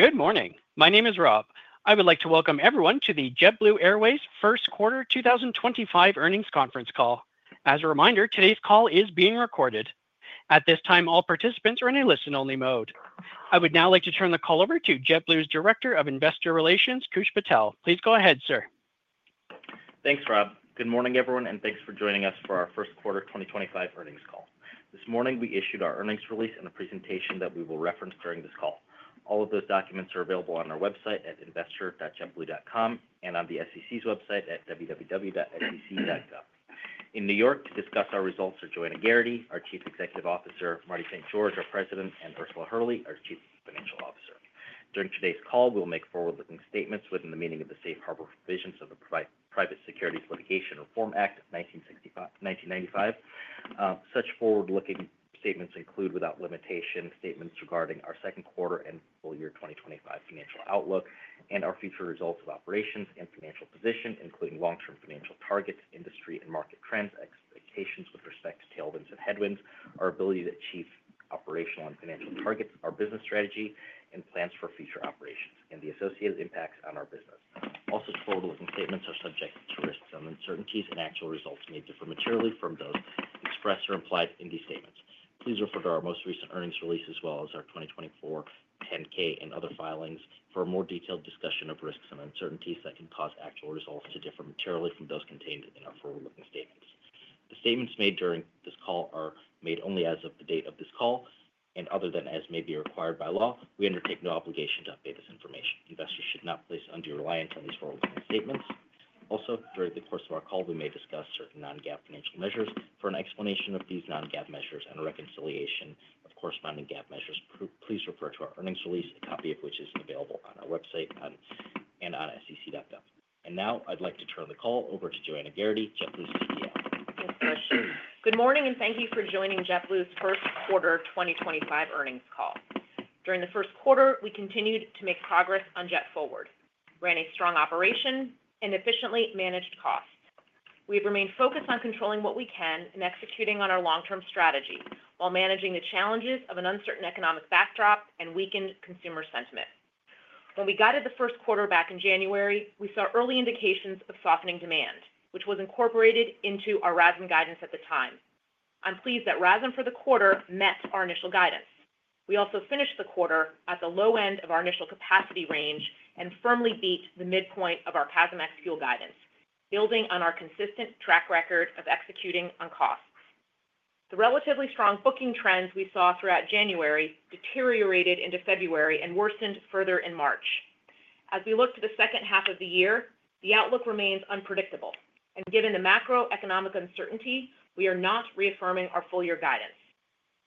Good morning. My name is Rob. I would like to welcome everyone to the JetBlue Airways First Quarter 2025 earnings conference call. As a reminder, today's call is being recorded. At this time, all participants are in a listen-only mode. I would now like to turn the call over to JetBlue's Director of Investor Relations, Koosh Patel. Please go ahead, sir. Thanks, Rob. Good morning, everyone, and thanks for joining us for our First Quarter 2025 earnings call. This morning, we issued our earnings release and a presentation that we will reference during this call. All of those documents are available on our website at investor.jetblue.com and on the SEC's website at www.sec.gov. In New York, to discuss our results are Joanna Geraghty, our Chief Executive Officer, Marty St. George, our President, and Ursula Hurley, our Chief Financial Officer. During today's call, we will make forward-looking statements within the meaning of the Safe Harbor Provisions of the Private Securities Litigation Reform Act of 1995. Such forward-looking statements include, without limitation, statements regarding our second quarter and full year 2025 financial outlook and our future results of operations and financial position, including long-term financial targets, industry and market trends, expectations with respect to tailwinds and headwinds, our ability to achieve operational and financial targets, our business strategy, and plans for future operations, and the associated impacts on our business. Also, forward-looking statements are subject to risks and uncertainties, and actual results may differ materially from those expressed or implied in these statements. Please refer to our most recent earnings release as well as our 2024 10-K and other filings for a more detailed discussion of risks and uncertainties that can cause actual results to differ materially from those contained in our forward-looking statements. The statements made during this call are made only as of the date of this call, and other than as may be required by law, we undertake no obligation to update this information. Investors should not place undue reliance on these forward-looking statements. Also, during the course of our call, we may discuss certain non-GAAP financial measures. For an explanation of these non-GAAP measures and a reconciliation of corresponding GAAP measures, please refer to our earnings release, a copy of which is available on our website and on sec.gov. I would like to turn the call over to Joanna Geraghty, JetBlue's CEO. Good morning, and thank you for joining JetBlue's first quarter 2025 earnings call. During the first quarter, we continued to make progress on JetForward, ran a strong operation, and efficiently managed costs. We have remained focused on controlling what we can and executing on our long-term strategy while managing the challenges of an uncertain economic backdrop and weakened consumer sentiment. When we guided the first quarter back in January, we saw early indications of softening demand, which was incorporated into our RASM guidance at the time. I'm pleased that RASM for the quarter met our initial guidance. We also finished the quarter at the low end of our initial capacity range and firmly beat the midpoint of our CASM ex-fuel guidance, building on our consistent track record of executing on costs. The relatively strong booking trends we saw throughout January deteriorated into February and worsened further in March. As we look to the second half of the year, the outlook remains unpredictable, and given the macroeconomic uncertainty, we are not reaffirming our full-year guidance.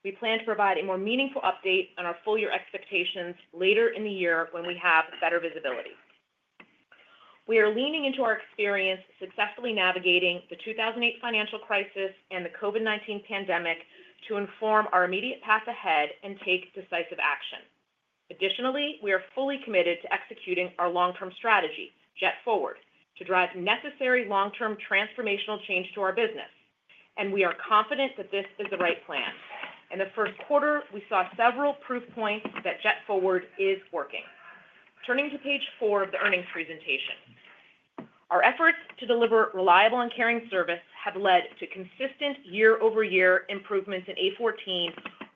We plan to provide a more meaningful update on our full-year expectations later in the year when we have better visibility. We are leaning into our experience successfully navigating the 2008 financial crisis and the COVID-19 pandemic to inform our immediate path ahead and take decisive action. Additionally, we are fully committed to executing our long-term strategy, JetForward, to drive necessary long-term transformational change to our business, and we are confident that this is the right plan. In the first quarter, we saw several proof points that JetForward is working. Turning to page four of the earnings presentation, our efforts to deliver reliable and caring service have led to consistent year-over-year improvements in A14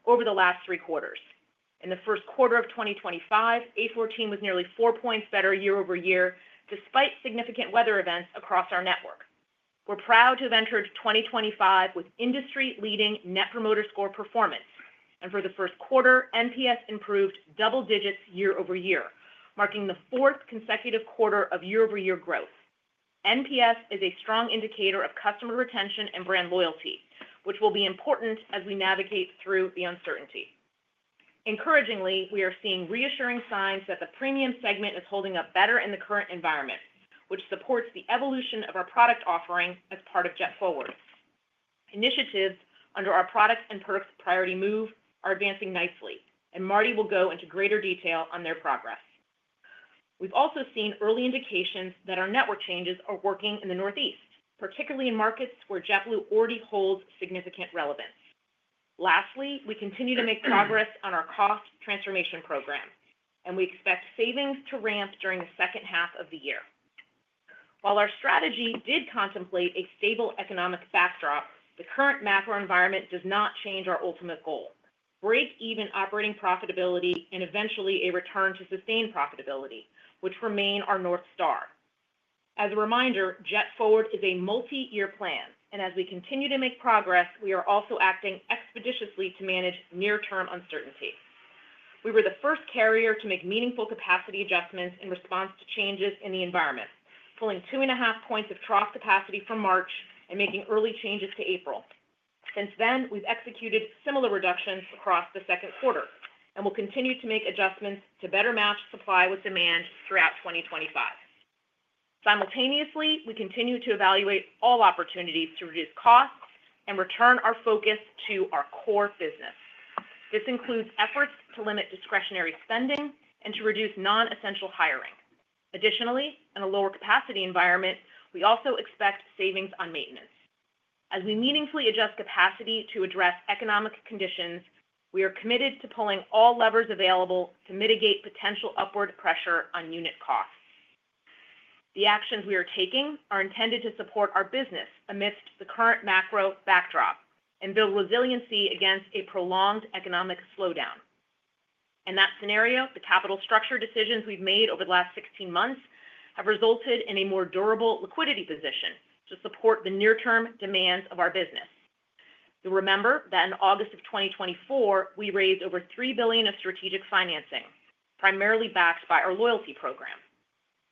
over the last three quarters. In the first quarter of 2025, A14 was nearly four points better year-over-year despite significant weather events across our network. We're proud to have entered 2025 with industry-leading Net Promoter Score performance, and for the first quarter, NPS improved double digits year-over-year, marking the fourth consecutive quarter of year-over-year growth. NPS is a strong indicator of customer retention and brand loyalty, which will be important as we navigate through the uncertainty. Encouragingly, we are seeing reassuring signs that the premium segment is holding up better in the current environment, which supports the evolution of our product offering as part of JetForward. Initiatives under our Product and Perks Priority Move are advancing nicely, and Marty will go into greater detail on their progress. We've also seen early indications that our network changes are working in the Northeast, particularly in markets where JetBlue already holds significant relevance. Lastly, we continue to make progress on our cost transformation program, and we expect savings to ramp during the second half of the year. While our strategy did contemplate a stable economic backdrop, the current macro environment does not change our ultimate goal: break-even operating profitability and eventually a return to sustained profitability, which remain our North Star. As a reminder, JetForward is a multi-year plan, and as we continue to make progress, we are also acting expeditiously to manage near-term uncertainty. We were the first carrier to make meaningful capacity adjustments in response to changes in the environment, pulling two and a half percentage points of trough capacity from March and making early changes to April. Since then, we've executed similar reductions across the second quarter and will continue to make adjustments to better match supply with demand throughout 2025. Simultaneously, we continue to evaluate all opportunities to reduce costs and return our focus to our core business. This includes efforts to limit discretionary spending and to reduce non-essential hiring. Additionally, in a lower capacity environment, we also expect savings on maintenance. As we meaningfully adjust capacity to address economic conditions, we are committed to pulling all levers available to mitigate potential upward pressure on unit costs. The actions we are taking are intended to support our business amidst the current macro backdrop and build resiliency against a prolonged economic slowdown. In that scenario, the capital structure decisions we have made over the last 16 months have resulted in a more durable liquidity position to support the near-term demands of our business. You will remember that in August of 2024, we raised over $3 billion of strategic financing, primarily backed by our loyalty program.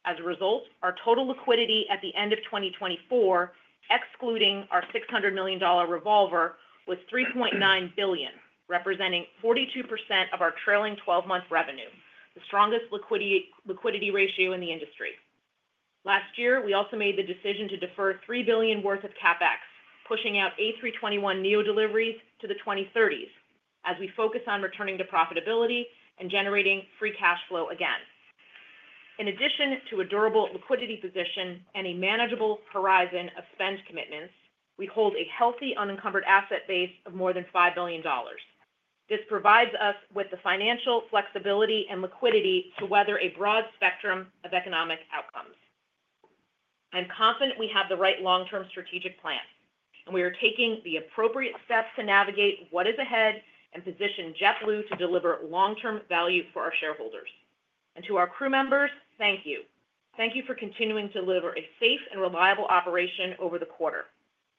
As a result, our total liquidity at the end of 2024, excluding our $600 million revolver, was $3.9 billion, representing 42% of our trailing 12-month revenue, the strongest liquidity ratio in the industry. Last year, we also made the decision to defer $3 billion worth of CapEx, pushing out A321neo deliveries to the 2030s as we focus on returning to profitability and generating free cash flow again. In addition to a durable liquidity position and a manageable horizon of spend commitments, we hold a healthy unencumbered asset base of more than $5 billion. This provides us with the financial flexibility and liquidity to weather a broad spectrum of economic outcomes. I'm confident we have the right long-term strategic plan, and we are taking the appropriate steps to navigate what is ahead and position JetBlue to deliver long-term value for our shareholders. To our crew members, thank you. Thank you for continuing to deliver a safe and reliable operation over the quarter.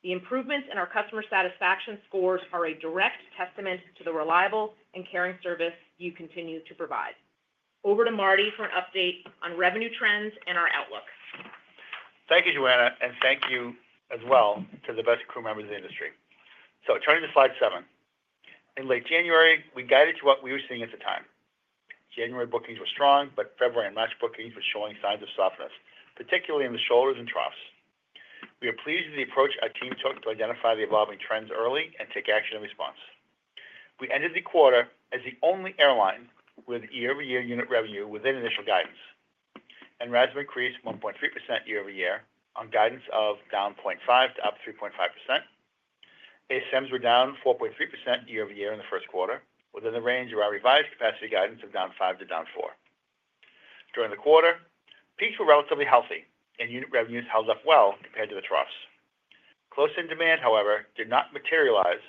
The improvements in our customer satisfaction scores are a direct testament to the reliable and caring service you continue to provide. Over to Marty for an update on revenue trends and our outlook. Thank you, Joanna, and thank you as well to the best crew members in the industry. Turning to slide seven, in late January, we guided to what we were seeing at the time. January bookings were strong, but February and March bookings were showing signs of softness, particularly in the shoulders and troughs. We are pleased with the approach our team took to identify the evolving trends early and take action in response. We ended the quarter as the only airline with year-over-year unit revenue within initial guidance, and RASM increased 1.3% year-over-year on guidance of down 0.5% to up 3.5%. ASMs were down 4.3% year-over-year in the first quarter, within the range of our revised capacity guidance of down 5% to down 4%. During the quarter, peaks were relatively healthy, and unit revenues held up well compared to the troughs. Close-in demand, however, did not materialize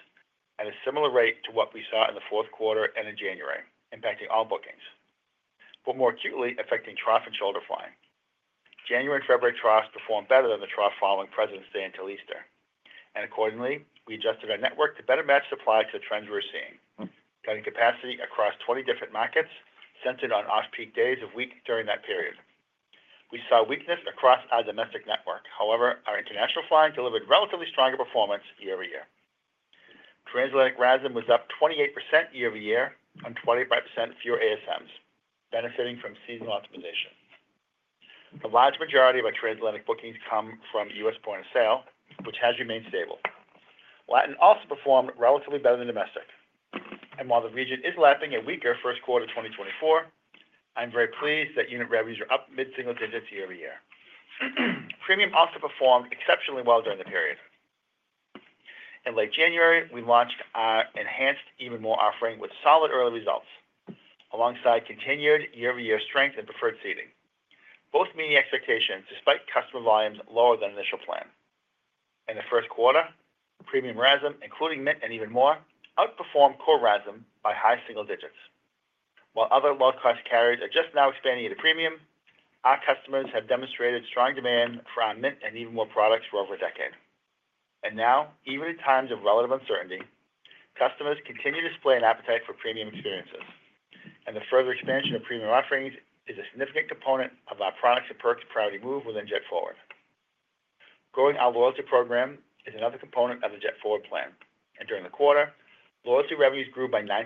at a similar rate to what we saw in the fourth quarter and in January, impacting all bookings, but more acutely affecting trough and shoulder flying. January and February troughs performed better than the trough following President's Day until Easter, and accordingly, we adjusted our network to better match supply to the trends we were seeing, cutting capacity across 20 different markets, centered on off-peak days of week during that period. We saw weakness across our domestic network; however, our international flying delivered relatively stronger performance year-over-year. Transatlantic RASM was up 28% year-over-year with 25% fewer ASMs, benefiting from seasonal optimization. The large majority of our transatlantic bookings come from U.S. point of sale, which has remained stable. Latin also performed relatively better than domestic, and while the region is lapping a weaker first quarter 2024, I'm very pleased that unit revenues are up mid-single digits year-over-year. Premium also performed exceptionally well during the period. In late January, we launched our enhanced Even More offering with solid early results, alongside continued year-over-year strength in preferred seating, both meeting expectations despite customer volumes lower than initial plan. In the first quarter, premium RASM, including Mint and Even More, outperformed core RASM by high single digits. While other low-cost carriers are just now expanding into premium, our customers have demonstrated strong demand for our Mint and Even More products for over a decade. Now, even in times of relative uncertainty, customers continue to display an appetite for premium experiences, and the further expansion of premium offerings is a significant component of our Product and Perks Priority Move within JetForward. Growing our loyalty program is another component of the JetForward plan, and during the quarter, loyalty revenues grew by 9%,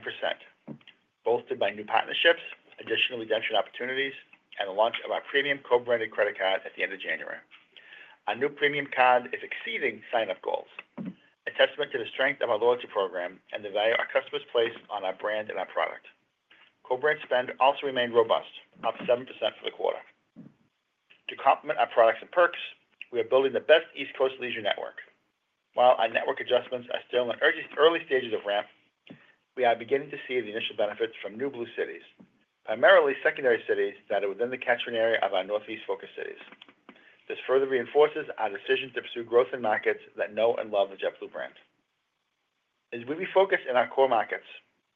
bolstered by new partnerships, additional redemption opportunities, and the launch of our premium co-branded credit card at the end of January. Our new premium card is exceeding sign-up goals, a testament to the strength of our loyalty program and the value our customers place on our brand and our product. Co-brand spend also remained robust, up 7% for the quarter. To complement our products and perks, we are building the best East Coast leisure network. While our network adjustments are still in the early stages of ramp, we are beginning to see the initial benefits from new Blue cities, primarily secondary cities that are within the catchment area of our Northeast-focused cities. This further reinforces our decision to pursue growth in markets that know and love the JetBlue brand. As we refocus in our core markets,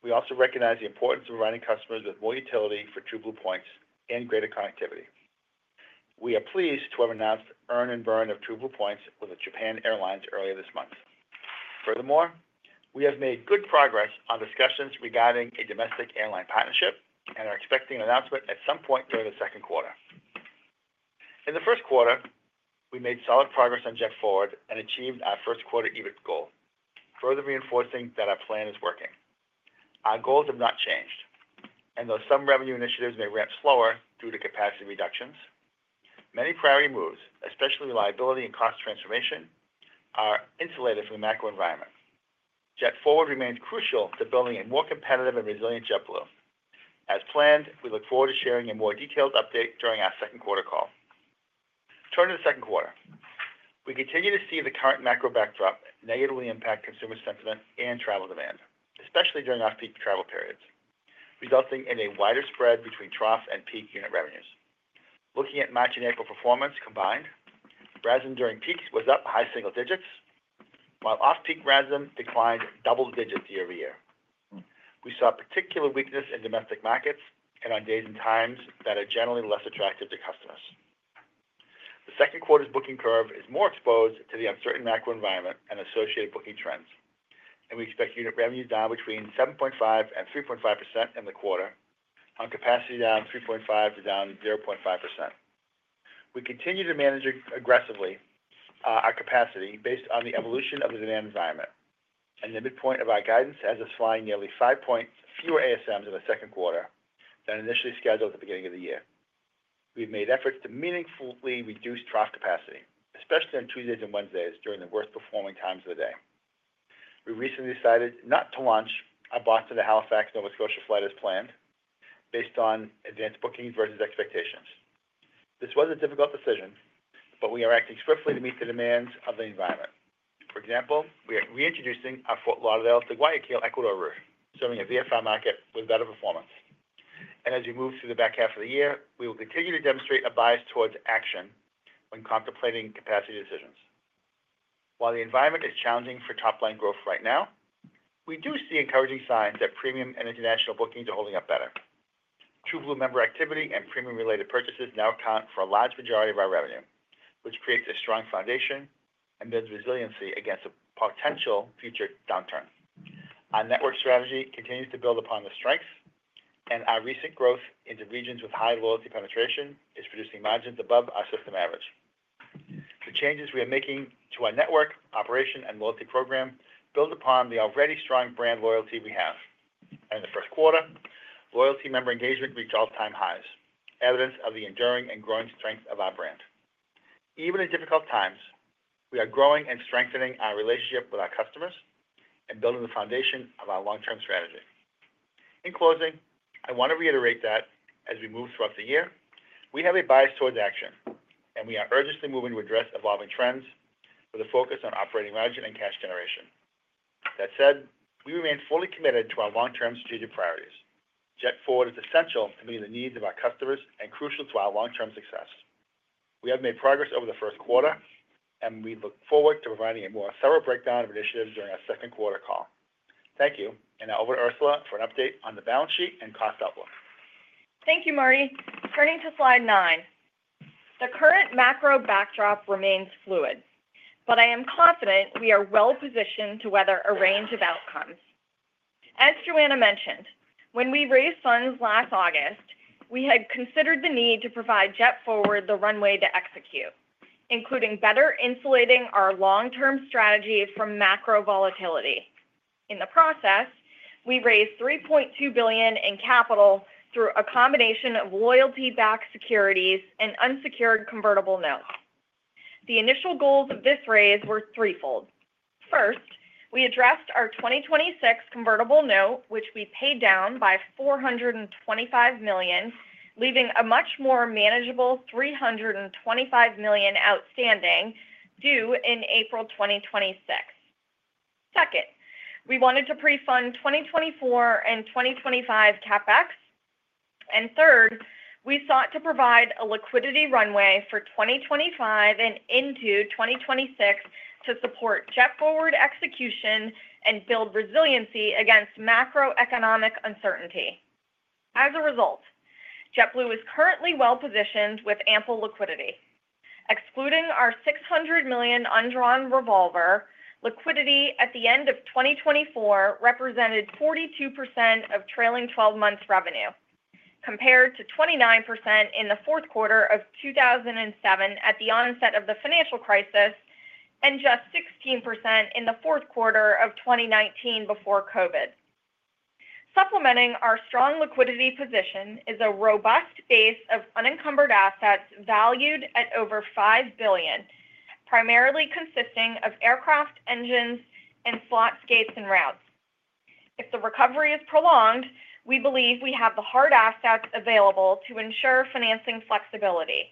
we also recognize the importance of providing customers with more utility for TrueBlue points and greater connectivity. We are pleased to have announced earn-and-burn of TrueBlue points with Japan Airlines earlier this month. Furthermore, we have made good progress on discussions regarding a domestic airline partnership and are expecting an announcement at some point during the second quarter. In the first quarter, we made solid progress on JetForward and achieved our first quarter EBIT goal, further reinforcing that our plan is working. Our goals have not changed, and though some revenue initiatives may ramp slower due to capacity reductions, many priority moves, especially reliability and cost transformation, are insulated from the macro environment. JetForward remains crucial to building a more competitive and resilient JetBlue. As planned, we look forward to sharing a more detailed update during our second quarter call. Turning to the second quarter, we continue to see the current macro backdrop negatively impact consumer sentiment and travel demand, especially during off-peak travel periods, resulting in a wider spread between trough and peak unit revenues. Looking at March and April performance combined, RASM during peaks was up high single digits, while off-peak RASM declined double digits year-over-year. We saw particular weakness in domestic markets and on days and times that are generally less attractive to customers. The second quarter's booking curve is more exposed to the uncertain macro environment and associated booking trends, and we expect unit revenues down between 7.5% and 3.5% in the quarter, on capacity down 3.5% to down 0.5%. We continue to manage aggressively our capacity based on the evolution of the demand environment, and the midpoint of our guidance has us flying nearly five percentage points fewer ASMs in the second quarter than initially scheduled at the beginning of the year. We have made efforts to meaningfully reduce trough capacity, especially on Tuesdays and Wednesdays during the worst-performing times of the day. We recently decided not to launch our Boston to Halifax, Nova Scotia flight as planned, based on advanced bookings versus expectations. This was a difficult decision, but we are acting swiftly to meet the demands of the environment. For example, we are reintroducing our Fort Lauderdale to Guayaquil, Ecuador route, serving a VFR market with better performance. As we move through the back half of the year, we will continue to demonstrate a bias towards action when contemplating capacity decisions. While the environment is challenging for top-line growth right now, we do see encouraging signs that premium and international bookings are holding up better. TrueBlue member activity and premium-related purchases now account for a large majority of our revenue, which creates a strong foundation and builds resiliency against a potential future downturn. Our network strategy continues to build upon the strengths, and our recent growth into regions with high loyalty penetration is producing margins above our system average. The changes we are making to our network, operation, and loyalty program build upon the already strong brand loyalty we have. In the first quarter, loyalty member engagement reached all-time highs, evidence of the enduring and growing strength of our brand. Even in difficult times, we are growing and strengthening our relationship with our customers and building the foundation of our long-term strategy. In closing, I want to reiterate that as we move throughout the year, we have a bias towards action, and we are urgently moving to address evolving trends with a focus on operating margin and cash generation. That said, we remain fully committed to our long-term strategic priorities. JetForward is essential to meeting the needs of our customers and crucial to our long-term success. We have made progress over the first quarter, and we look forward to providing a more thorough breakdown of initiatives during our second quarter call. Thank you, and I'll hand over to Ursula for an update on the balance sheet and cost outlook. Thank you, Marty. Turning to slide nine, the current macro backdrop remains fluid, but I am confident we are well-positioned to weather a range of outcomes. As Joanna mentioned, when we raised funds last August, we had considered the need to provide JetForward the runway to execute, including better insulating our long-term strategy from macro volatility. In the process, we raised $3.2 billion in capital through a combination of loyalty-backed securities and unsecured convertible notes. The initial goals of this raise were threefold. First, we addressed our 2026 convertible note, which we paid down by $425 million, leaving a much more manageable $325 million outstanding due in April 2026. Second, we wanted to prefund 2024 and 2025 CapEx. Third, we sought to provide a liquidity runway for 2025 and into 2026 to support JetForward execution and build resiliency against macroeconomic uncertainty. As a result, JetBlue is currently well-positioned with ample liquidity. Excluding our $600 million undrawn revolver, liquidity at the end of 2024 represented 42% of trailing 12-month revenue, compared to 29% in the fourth quarter of 2007 at the onset of the financial crisis and just 16% in the fourth quarter of 2019 before COVID. Supplementing our strong liquidity position is a robust base of unencumbered assets valued at over $5 billion, primarily consisting of aircraft engines and slots, gates, and routes. If the recovery is prolonged, we believe we have the hard assets available to ensure financing flexibility.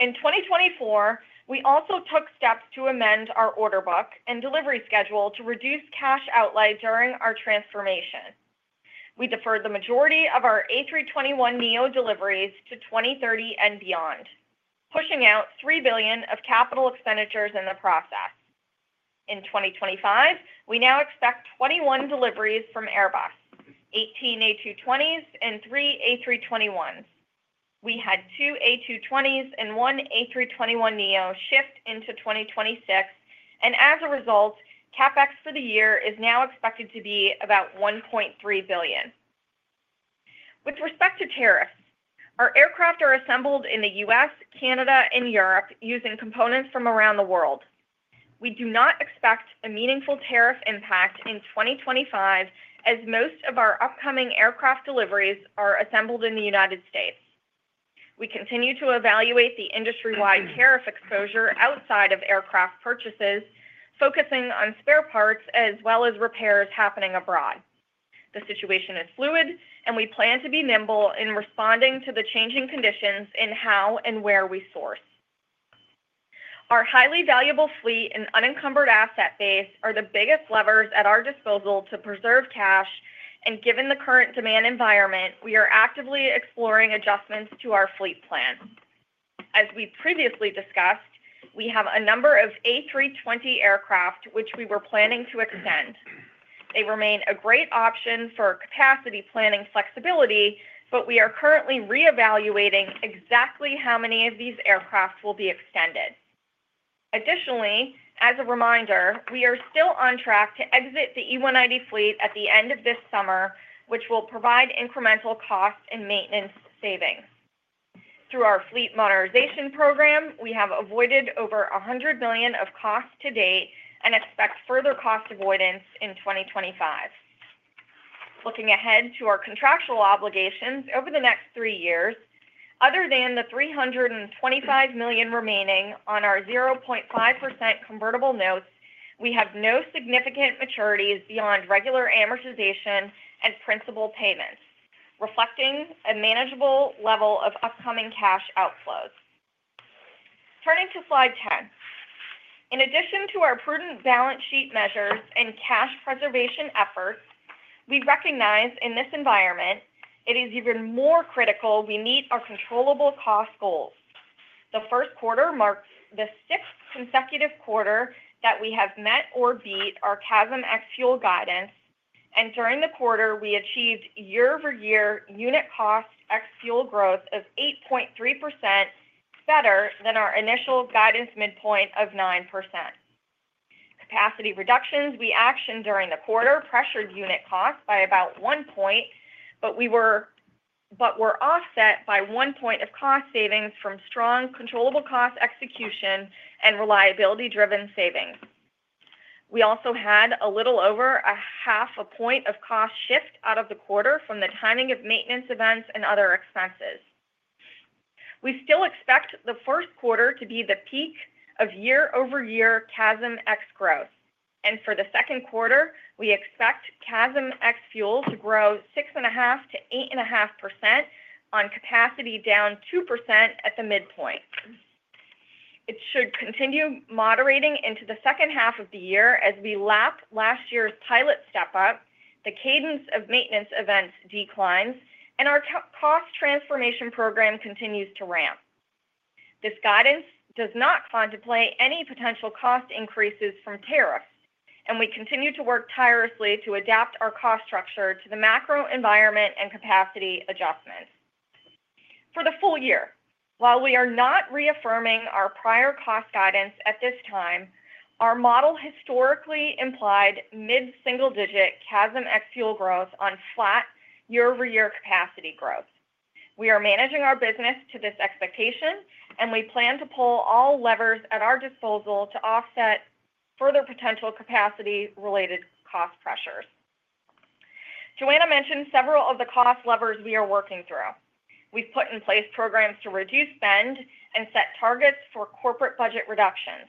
In 2024, we also took steps to amend our order book and delivery schedule to reduce cash outlay during our transformation. We deferred the majority of our A321neo deliveries to 2030 and beyond, pushing out $3 billion of capital expenditures in the process. In 2025, we now expect 21 deliveries from Airbus, 18 A220s, and 3 A321s. We had two A220s and one A321neo shift into 2026, and as a result, CapEx for the year is now expected to be about $1.3 billion. With respect to tariffs, our aircraft are assembled in the U.S., Canada, and Europe using components from around the world. We do not expect a meaningful tariff impact in 2025, as most of our upcoming aircraft deliveries are assembled in the United States. We continue to evaluate the industry-wide tariff exposure outside of aircraft purchases, focusing on spare parts as well as repairs happening abroad. The situation is fluid, and we plan to be nimble in responding to the changing conditions in how and where we source. Our highly valuable fleet and unencumbered asset base are the biggest levers at our disposal to preserve cash, and given the current demand environment, we are actively exploring adjustments to our fleet plan. As we previously discussed, we have a number of A320 aircraft, which we were planning to extend. They remain a great option for capacity planning flexibility, but we are currently reevaluating exactly how many of these aircraft will be extended. Additionally, as a reminder, we are still on track to exit the E190 fleet at the end of this summer, which will provide incremental cost and maintenance savings. Through our fleet modernization program, we have avoided over $100 million of cost to date and expect further cost avoidance in 2025. Looking ahead to our contractual obligations over the next three years, other than the $325 million remaining on our 0.5% convertible notes, we have no significant maturities beyond regular amortization and principal payments, reflecting a manageable level of upcoming cash outflows. Turning to slide 10, in addition to our prudent balance sheet measures and cash preservation efforts, we recognize in this environment it is even more critical we meet our controllable cost goals. The first quarter marks the sixth consecutive quarter that we have met or beat our CASM Ex-Fuel guidance, and during the quarter, we achieved year-over-year unit cost Ex-Fuel growth of 8.3%, better than our initial guidance midpoint of 9%. Capacity reductions we actioned during the quarter pressured unit cost by about one point, but we were offset by one point of cost savings from strong controllable cost execution and reliability-driven savings. We also had a little over half a point of cost shift out of the quarter from the timing of maintenance events and other expenses. We still expect the first quarter to be the peak of year-over-year CASM ex-growth, and for the second quarter, we expect CASM ex-fuel to grow 6.5%-8.5% on capacity down 2% at the midpoint. It should continue moderating into the second half of the year as we lap last year's pilot step-up, the cadence of maintenance events declines, and our cost transformation program continues to ramp. This guidance does not contemplate any potential cost increases from tariffs, and we continue to work tirelessly to adapt our cost structure to the macro environment and capacity adjustments. For the full year, while we are not reaffirming our prior cost guidance at this time, our model historically implied mid-single-digit CASM ex-fuel growth on flat year-over-year capacity growth. We are managing our business to this expectation, and we plan to pull all levers at our disposal to offset further potential capacity-related cost pressures. Joanna mentioned several of the cost levers we are working through. We have put in place programs to reduce spend and set targets for corporate budget reductions.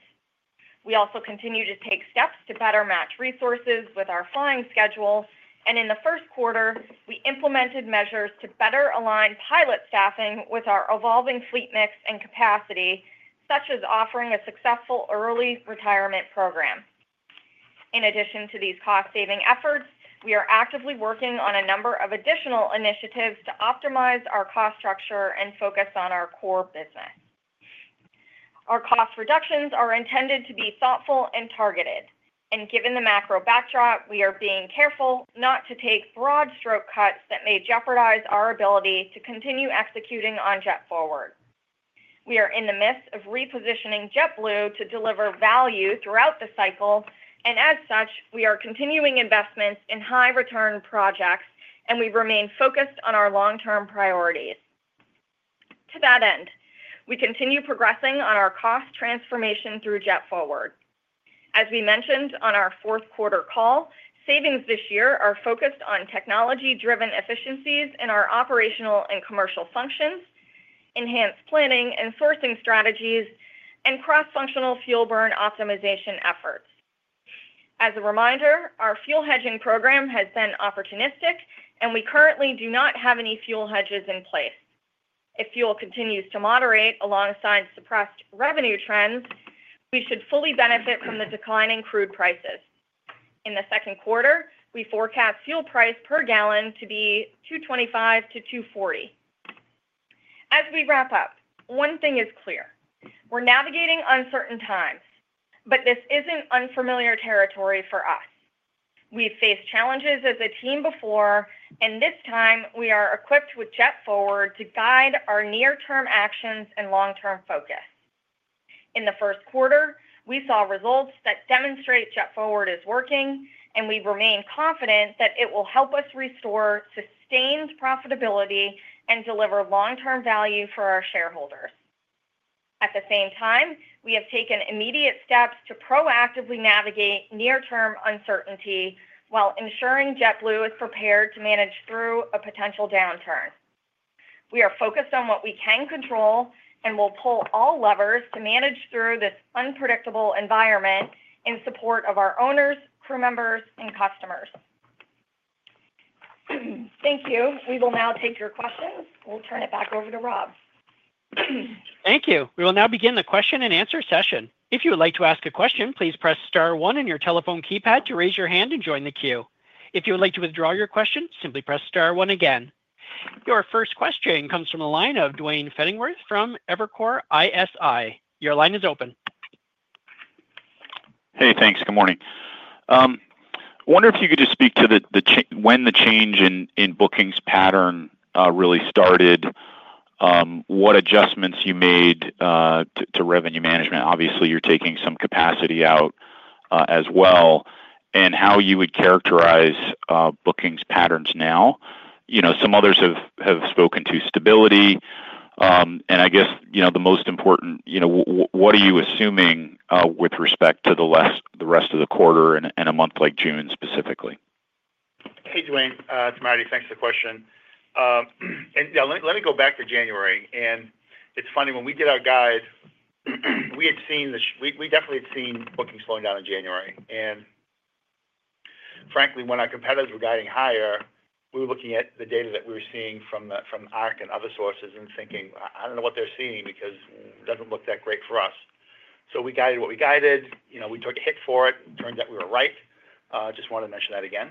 We also continue to take steps to better match resources with our flying schedule, and in the first quarter, we implemented measures to better align pilot staffing with our evolving fleet mix and capacity, such as offering a successful early retirement program. In addition to these cost-saving efforts, we are actively working on a number of additional initiatives to optimize our cost structure and focus on our core business. Our cost reductions are intended to be thoughtful and targeted, and given the macro backdrop, we are being careful not to take broad stroke cuts that may jeopardize our ability to continue executing on JetForward. We are in the midst of repositioning JetBlue to deliver value throughout the cycle, and as such, we are continuing investments in high-return projects, and we remain focused on our long-term priorities. To that end, we continue progressing on our cost transformation through JetForward. As we mentioned on our fourth quarter call, savings this year are focused on technology-driven efficiencies in our operational and commercial functions, enhanced planning and sourcing strategies, and cross-functional fuel burn optimization efforts. As a reminder, our fuel hedging program has been opportunistic, and we currently do not have any fuel hedges in place. If fuel continues to moderate alongside suppressed revenue trends, we should fully benefit from the declining crude prices. In the second quarter, we forecast fuel price per gallon to be $2.25-$2.40. As we wrap up, one thing is clear: we're navigating uncertain times, but this isn't unfamiliar territory for us. We've faced challenges as a team before, and this time we are equipped with JetForward to guide our near-term actions and long-term focus. In the first quarter, we saw results that demonstrate JetForward is working, and we remain confident that it will help us restore sustained profitability and deliver long-term value for our shareholders. At the same time, we have taken immediate steps to proactively navigate near-term uncertainty while ensuring JetBlue is prepared to manage through a potential downturn. We are focused on what we can control and will pull all levers to manage through this unpredictable environment in support of our owners, crew members, and customers. Thank you. We will now take your questions. We'll turn it back over to Rob. Thank you. We will now begin the question and answer session. If you would like to ask a question, please press Star 1 on your telephone keypad to raise your hand and join the queue. If you would like to withdraw your question, simply press Star 1 again. Your first question comes from the line of Duane Pfennigwerth from Evercore ISI. Your line is open. Hey, thanks. Good morning. I wonder if you could just speak to when the change in bookings pattern really started, what adjustments you made to revenue management. Obviously, you're taking some capacity out as well, and how you would characterize bookings patterns now. Some others have spoken to stability, and I guess the most important, what are you assuming with respect to the rest of the quarter and a month like June specifically? Hey, Duane. It's Marty. Thanks for the question. Let me go back to January. It's funny, when we did our guide, we definitely had seen bookings slowing down in January. Frankly, when our competitors were guiding higher, we were looking at the data that we were seeing from ARC and other sources and thinking, "I don't know what they're seeing because it doesn't look that great for us." We guided what we guided. We took a hit for it. It turns out we were right. Just wanted to mention that again.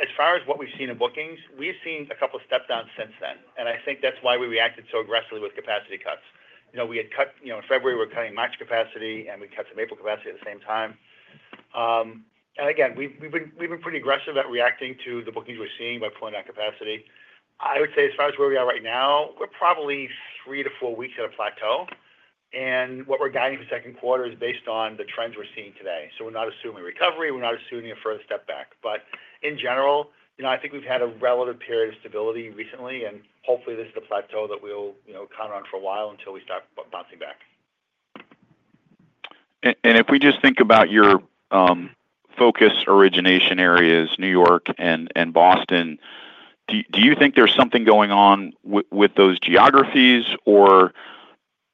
As far as what we've seen in bookings, we've seen a couple of step-downs since then, and I think that's why we reacted so aggressively with capacity cuts. We had cut in February, we were cutting March capacity, and we cut some April capacity at the same time. We've been pretty aggressive at reacting to the bookings we're seeing by pulling out capacity. I would say as far as where we are right now, we're probably three to four weeks at a plateau, and what we're guiding for the second quarter is based on the trends we're seeing today. We're not assuming recovery. We're not assuming a further step back. In general, I think we've had a relative period of stability recently, and hopefully this is a plateau that we'll count on for a while until we start bouncing back. If we just think about your focus origination areas, New York and Boston, do you think there's something going on with those geographies, or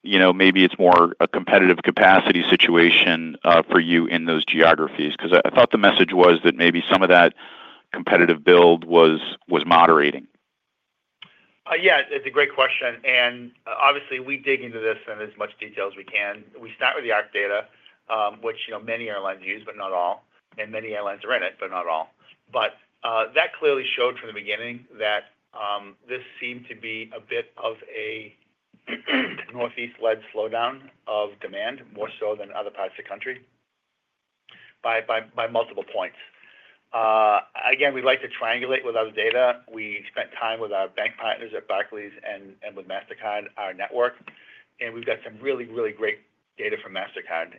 maybe it's more a competitive capacity situation for you in those geographies? I thought the message was that maybe some of that competitive build was moderating. Yeah, it's a great question. Obviously, we dig into this in as much detail as we can. We start with the ARC data, which many airlines use, but not all. Many airlines are in it, but not all. That clearly showed from the beginning that this seemed to be a bit of a Northeast-led slowdown of demand, more so than other parts of the country, by multiple points. Again, we'd like to triangulate with other data. We spent time with our bank partners at Barclays and with Mastercard, our network, and we've got some really, really great data from Mastercard.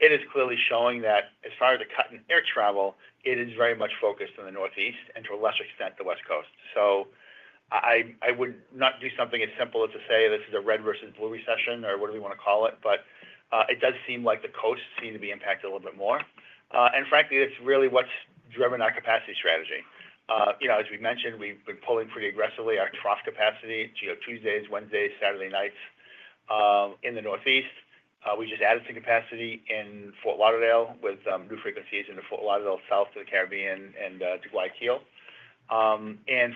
It is clearly showing that as far as the cut in air travel, it is very much focused in the Northeast and to a lesser extent the West Coast. I would not do something as simple as to say this is a red versus blue recession or whatever you want to call it, but it does seem like the coasts seem to be impacted a little bit more. Frankly, that's really what's driven our capacity strategy. As we mentioned, we've been pulling pretty aggressively our trough capacity, Geo Tuesdays, Wednesdays, Saturday nights in the Northeast. We just added some capacity in Fort Lauderdale with new frequencies into Fort Lauderdale south to the Caribbean and to Guayaquil.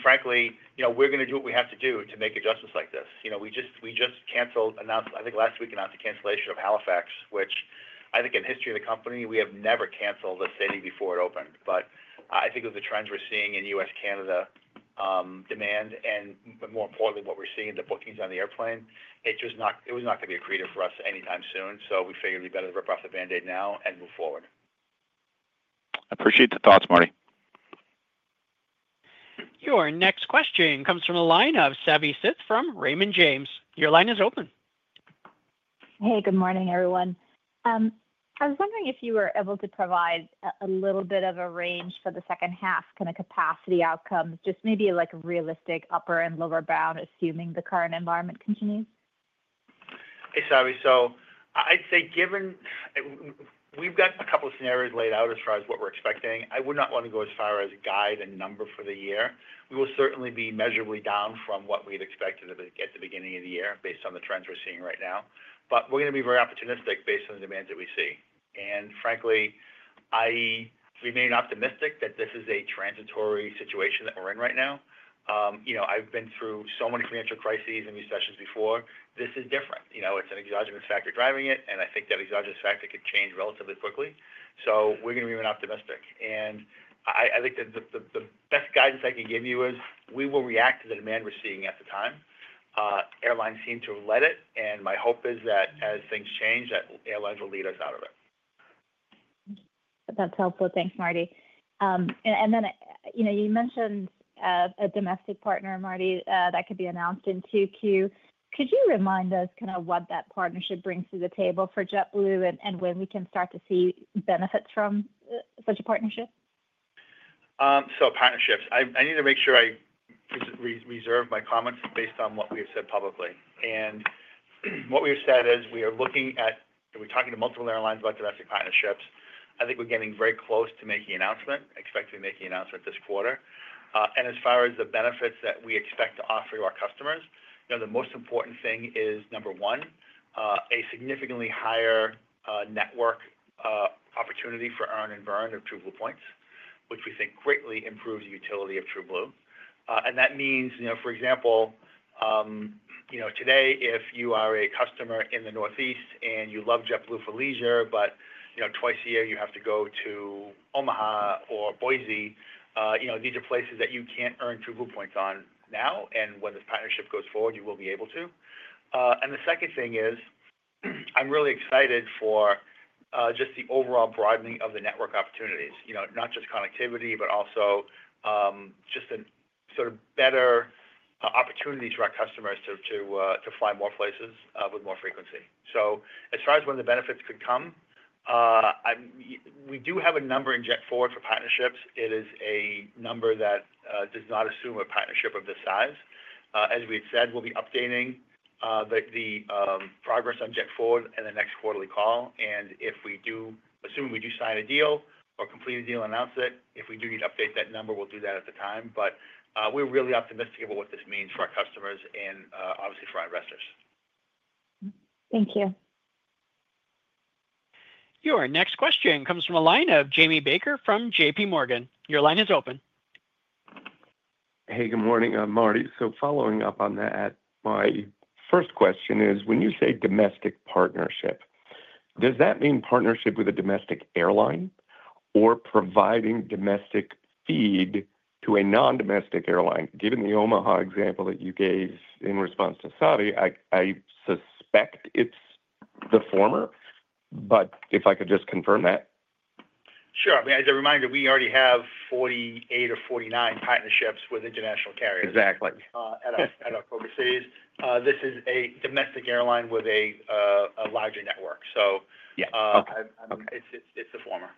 Frankly, we're going to do what we have to do to make adjustments like this. We just canceled, I think last week announced the cancellation of Halifax, which I think in the history of the company, we have never canceled a city before it opened. I think of the trends we're seeing in U.S.-Canada demand and more importantly, what we're seeing in the bookings on the airplane, it was not going to be accretive for us anytime soon. We figured we'd better rip off the Band-Aid now and move forward. I appreciate the thoughts, Marty. Your next question comes from the line of Savanthi Syth from Raymond James. Your line is open. Hey, good morning, everyone. I was wondering if you were able to provide a little bit of a range for the second half, kind of capacity outcomes, just maybe like a realistic upper and lower bound, assuming the current environment continues. Hey, Savvy. I'd say given we've got a couple of scenarios laid out as far as what we're expecting. I would not want to go as far as a guide and number for the year. We will certainly be measurably down from what we had expected at the beginning of the year based on the trends we're seeing right now. We are going to be very opportunistic based on the demands that we see. Frankly, I remain optimistic that this is a transitory situation that we're in right now. I've been through so many financial crises and recessions before. This is different. It's an exogenous factor driving it, and I think that exogenous factor could change relatively quickly. We are going to remain optimistic. I think that the best guidance I can give you is we will react to the demand we're seeing at the time. Airlines seem to have led it, and my hope is that as things change, that airlines will lead us out of it. That's helpful. Thanks, Marty. You mentioned a domestic partner, Marty, that could be announced in QQ. Could you remind us kind of what that partnership brings to the table for JetBlue and when we can start to see benefits from such a partnership? Partnerships. I need to make sure I reserve my comments based on what we have said publicly. What we have said is we are looking at, we are talking to multiple airlines about domestic partnerships. I think we are getting very close to making an announcement, expecting to make the announcement this quarter. As far as the benefits that we expect to offer to our customers, the most important thing is, number one, a significantly higher network opportunity for earn and burn of TrueBlue points, which we think greatly improves the utility of TrueBlue. That means, for example, today, if you are a customer in the Northeast and you love JetBlue for leisure, but twice a year you have to go to Omaha or Boise, these are places that you cannot earn TrueBlue points on now, and when this partnership goes forward, you will be able to. I'm really excited for just the overall broadening of the network opportunities, not just connectivity, but also just a sort of better opportunity for our customers to fly more places with more frequency. As far as when the benefits could come, we do have a number in JetForward for partnerships. It is a number that does not assume a partnership of this size. As we had said, we'll be updating the progress on JetForward in the next quarterly call. If we do assume we do sign a deal or complete a deal and announce it, if we do need to update that number, we'll do that at the time. We're really optimistic about what this means for our customers and obviously for our investors. Thank you. Your next question comes from a line of Jamie Baker from JPMorgan. Your line is open. Hey, good morning, Marty. Following up on that, my first question is when you say domestic partnership, does that mean partnership with a domestic airline or providing domestic feed to a non-domestic airline? Given the Omaha example that you gave in response to Savvy, I suspect it's the former, but if I could just confirm that. Sure. I mean, as a reminder, we already have 48 or 49 partnerships with international carriers at our focus cities. This is a domestic airline with a larger network. So it's the former.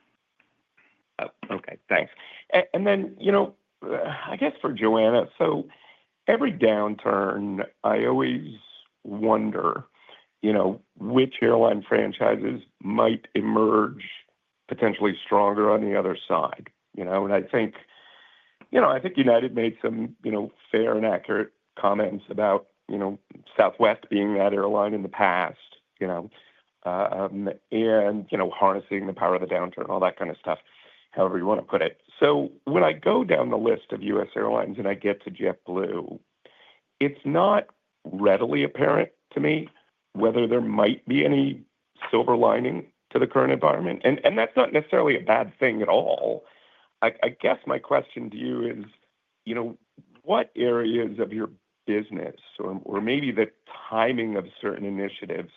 Okay. Thanks. I guess for Joanna, every downturn, I always wonder which airline franchises might emerge potentially stronger on the other side. I think United made some fair and accurate comments about Southwest being that airline in the past and harnessing the power of the downturn, all that kind of stuff, however you want to put it. When I go down the list of US airlines and I get to JetBlue, it's not readily apparent to me whether there might be any silver lining to the current environment. That's not necessarily a bad thing at all. I guess my question to you is what areas of your business or maybe the timing of certain initiatives,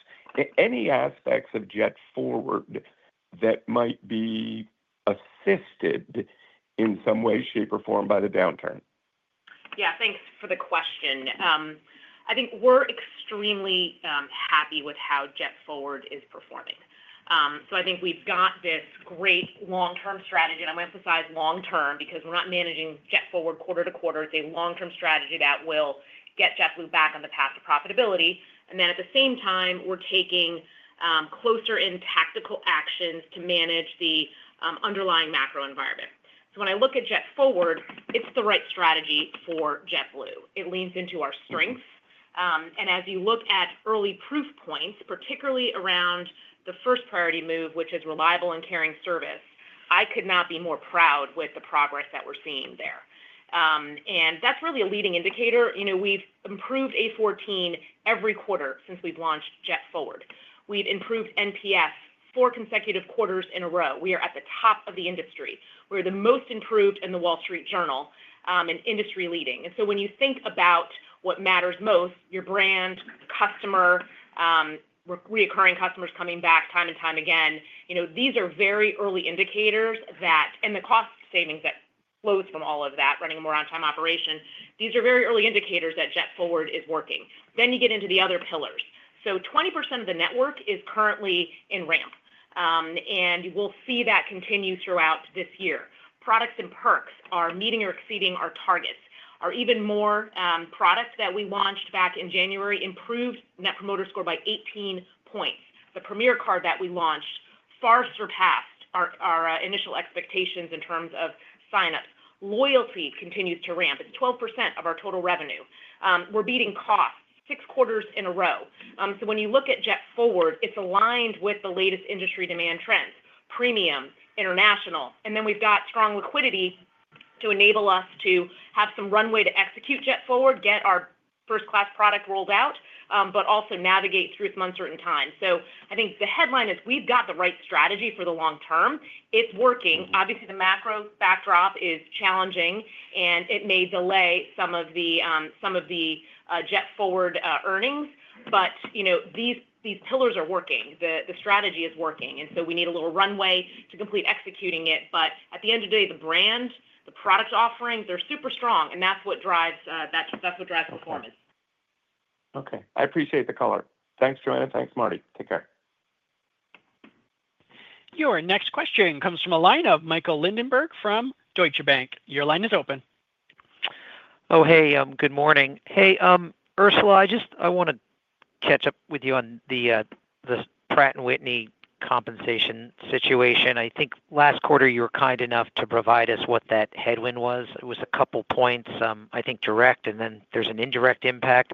any aspects of JetForward that might be assisted in some way, shape, or form by the downturn? Yeah. Thanks for the question. I think we're extremely happy with how JetForward is performing. I think we've got this great long-term strategy, and I'm going to emphasize long-term because we're not managing JetForward quarter to quarter. It's a long-term strategy that will get JetBlue back on the path to profitability. At the same time, we're taking closer in tactical actions to manage the underlying macro environment. When I look at JetForward, it's the right strategy for JetBlue. It leans into our strengths. As you look at early proof points, particularly around the first priority move, which is reliable and caring service, I could not be more proud with the progress that we're seeing there. That's really a leading indicator. We've improved A14 every quarter since we've launched JetForward. We've improved NPS four consecutive quarters in a row. We are at the top of the industry. We're the most improved in the Wall Street Journal and industry leading. When you think about what matters most, your brand, customer, recurring customers coming back time and time again, these are very early indicators that and the cost savings that flows from all of that running a more on-time operation. These are very early indicators that JetForward is working. You get into the other pillars. 20% of the network is currently in ramp, and we'll see that continue throughout this year. Products and perks are meeting or exceeding our targets. Our Even More products that we launched back in January improved net promoter score by 18 points. The premier card that we launched far surpassed our initial expectations in terms of signups. Loyalty continues to ramp. It's 12% of our total revenue. We're beating costs six quarters in a row. When you look at JetForward, it's aligned with the latest industry demand trends, premium, international. We've got strong liquidity to enable us to have some runway to execute JetForward, get our first-class product rolled out, but also navigate through some uncertain times. I think the headline is we've got the right strategy for the long term. It's working. Obviously, the macro backdrop is challenging, and it may delay some of the JetForward earnings, but these pillars are working. The strategy is working. We need a little runway to complete executing it. At the end of the day, the brand, the product offerings, they're super strong, and that's what drives performance. Okay. I appreciate the color. Thanks, Joanna. Thanks, Marty. Take care. Your next question comes from a line of Michael Lindenberg from Deutsche Bank. Your line is open. Oh, hey. Good morning. Hey, Ursula, I just want to catch up with you on the Pratt & Whitney compensation situation. I think last quarter, you were kind enough to provide us what that headwind was. It was a couple of points, I think, direct, and then there's an indirect impact.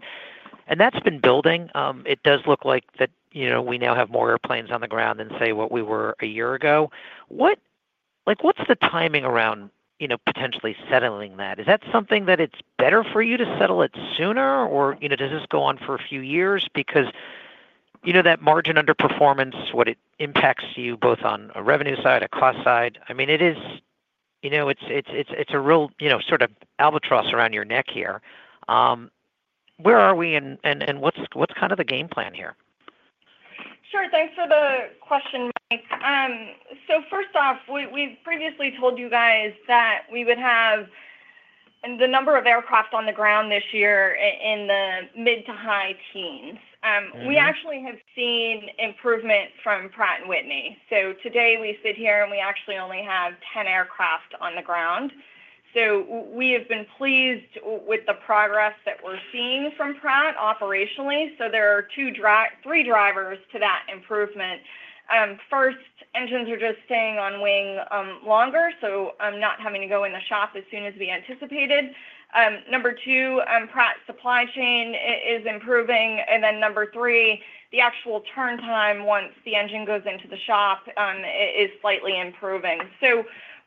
That's been building. It does look like we now have more airplanes on the ground than, say, what we were a year ago. What's the timing around potentially settling that? Is that something that it's better for you to settle it sooner, or does this go on for a few years? Because that margin underperformance, it impacts you both on a revenue side, a cost side. I mean, it is a real sort of albatross around your neck here. Where are we, and what's kind of the game plan here? Sure. Thanks for the question, Mike. First off, we've previously told you guys that we would have the number of aircraft on the ground this year in the mid to high teens. We actually have seen improvement from Pratt & Whitney. Today, we sit here, and we actually only have 10 aircraft on the ground. We have been pleased with the progress that we're seeing from Pratt operationally. There are three drivers to that improvement. First, engines are just staying on wing longer, not having to go in the shop as soon as we anticipated. Number two, Pratt's supply chain is improving. Number three, the actual turn time once the engine goes into the shop is slightly improving.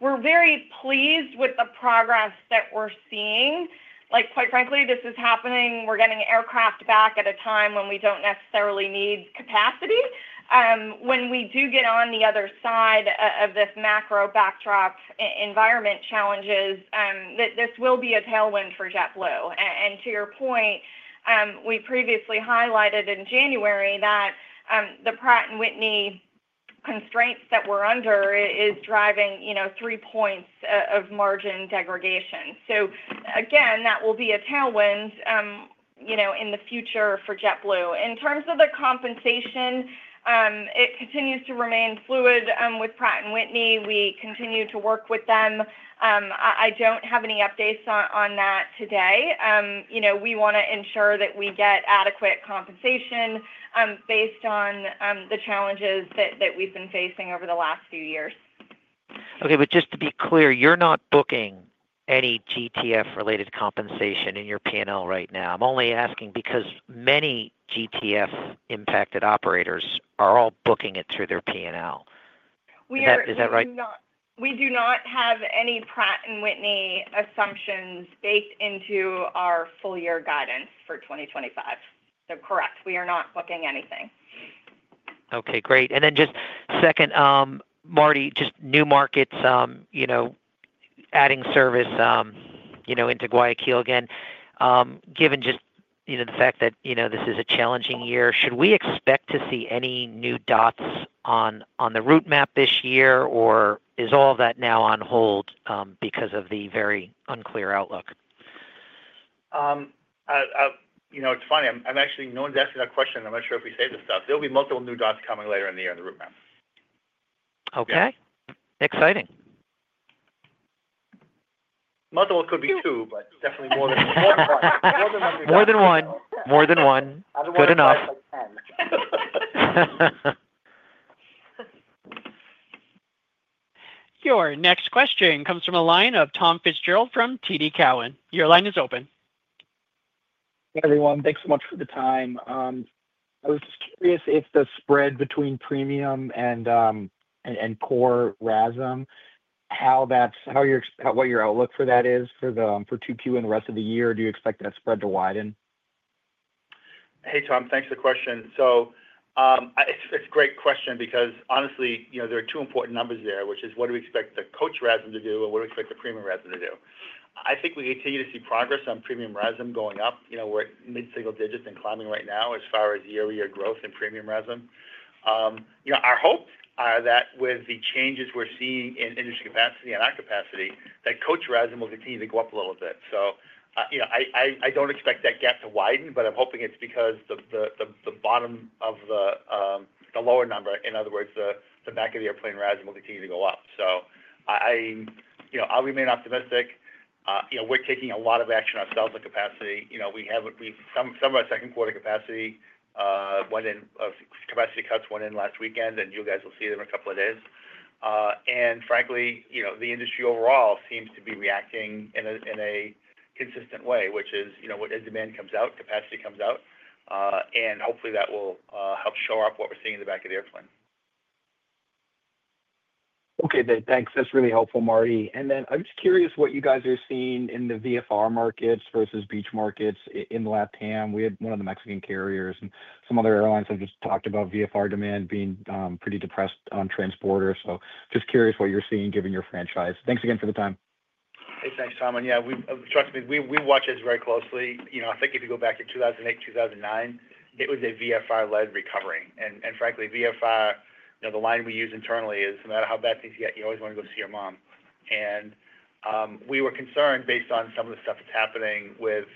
We're very pleased with the progress that we're seeing. Quite frankly, this is happening. We're getting aircraft back at a time when we don't necessarily need capacity. When we do get on the other side of this macro backdrop, environment challenges, this will be a tailwind for JetBlue. To your point, we previously highlighted in January that the Pratt & Whitney constraints that we're under are driving three points of margin degradation. That will be a tailwind in the future for JetBlue. In terms of the compensation, it continues to remain fluid with Pratt & Whitney. We continue to work with them. I don't have any updates on that today. We want to ensure that we get adequate compensation based on the challenges that we've been facing over the last few years. Okay. Just to be clear, you're not booking any GTF-related compensation in your P&L right now. I'm only asking because many GTF-impacted operators are all booking it through their P&L. Is that right? We do not have any Pratt & Whitney assumptions baked into our full-year guidance for 2025. Correct. We are not booking anything. Okay. Great. Just second, Marty, just new markets, adding service into Guayaquil again. Given just the fact that this is a challenging year, should we expect to see any new dots on the route map this year, or is all of that now on hold because of the very unclear outlook? It's funny. No one's asked me that question. I'm not sure if we say this stuff. There will be multiple new dots coming later in the year on the route map. Okay. Exciting. Multiple could be two, but definitely more than one. More than one. Good enough. Your next question comes from a line of Tom Fitzgerald from TD Cowen. Your line is open. Hey, everyone. Thanks so much for the time. I was just curious if the spread between premium and core RASM, how your outlook for that is for Q2 and the rest of the year. Do you expect that spread to widen? Hey, Tom. Thanks for the question. It's a great question because, honestly, there are two important numbers there, which is what do we expect the coach RASM to do and what do we expect the premium RASM to do. I think we continue to see progress on premium RASM going up. We're at mid-single digits and climbing right now as far as year-to-year growth in premium RASM. Our hopes are that with the changes we're seeing in industry capacity and our capacity, that coach RASM will continue to go up a little bit. I don't expect that gap to widen, but I'm hoping it's because the bottom of the lower number, in other words, the back of the airplane RASM will continue to go up. I'll remain optimistic. We're taking a lot of action ourselves on capacity. Some of our second-quarter capacity cuts went in last weekend, and you guys will see them in a couple of days. Frankly, the industry overall seems to be reacting in a consistent way, which is when demand comes out, capacity comes out. Hopefully, that will help show up what we're seeing in the back of the airplane. Okay. Thanks. That's really helpful, Marty. I'm just curious what you guys are seeing in the VFR markets versus beach markets in LATAM. We had one of the Mexican carriers and some other airlines have just talked about VFR demand being pretty depressed on transporter. Just curious what you're seeing given your franchise. Thanks again for the time. Hey, thanks, Tom. Yeah, trust me, we watch it very closely. I think if you go back to 2008, 2009, it was a VFR-led recovery. Frankly, VFR, the line we use internally is no matter how bad things get, you always want to go see your mom. We were concerned based on some of the stuff that's happening with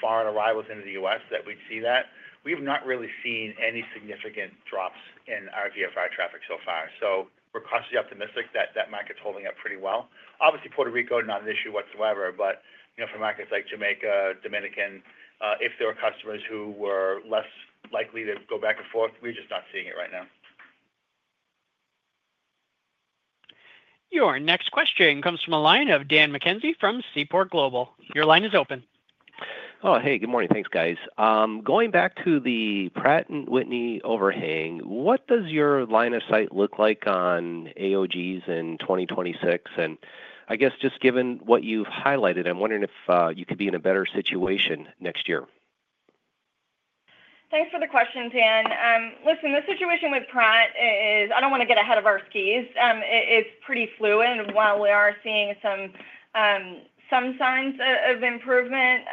foreign arrivals into the U.S. that we'd see that. We have not really seen any significant drops in our VFR traffic so far. We're cautiously optimistic that that market's holding up pretty well. Obviously, Puerto Rico is not an issue whatsoever, but for markets like Jamaica, Dominican, if there were customers who were less likely to go back and forth, we're just not seeing it right now. Your next question comes from a line of Daniel McKenzie from Seaport Global. Your line is open. Oh, hey. Good morning. Thanks, guys. Going back to the Pratt & Whitney overhang, what does your line of sight look like on AOGs in 2026? I guess just given what you've highlighted, I'm wondering if you could be in a better situation next year. Thanks for the question, Daniel. Listen, the situation with Pratt is I don't want to get ahead of our skis. It's pretty fluid. While we are seeing some signs of improvement,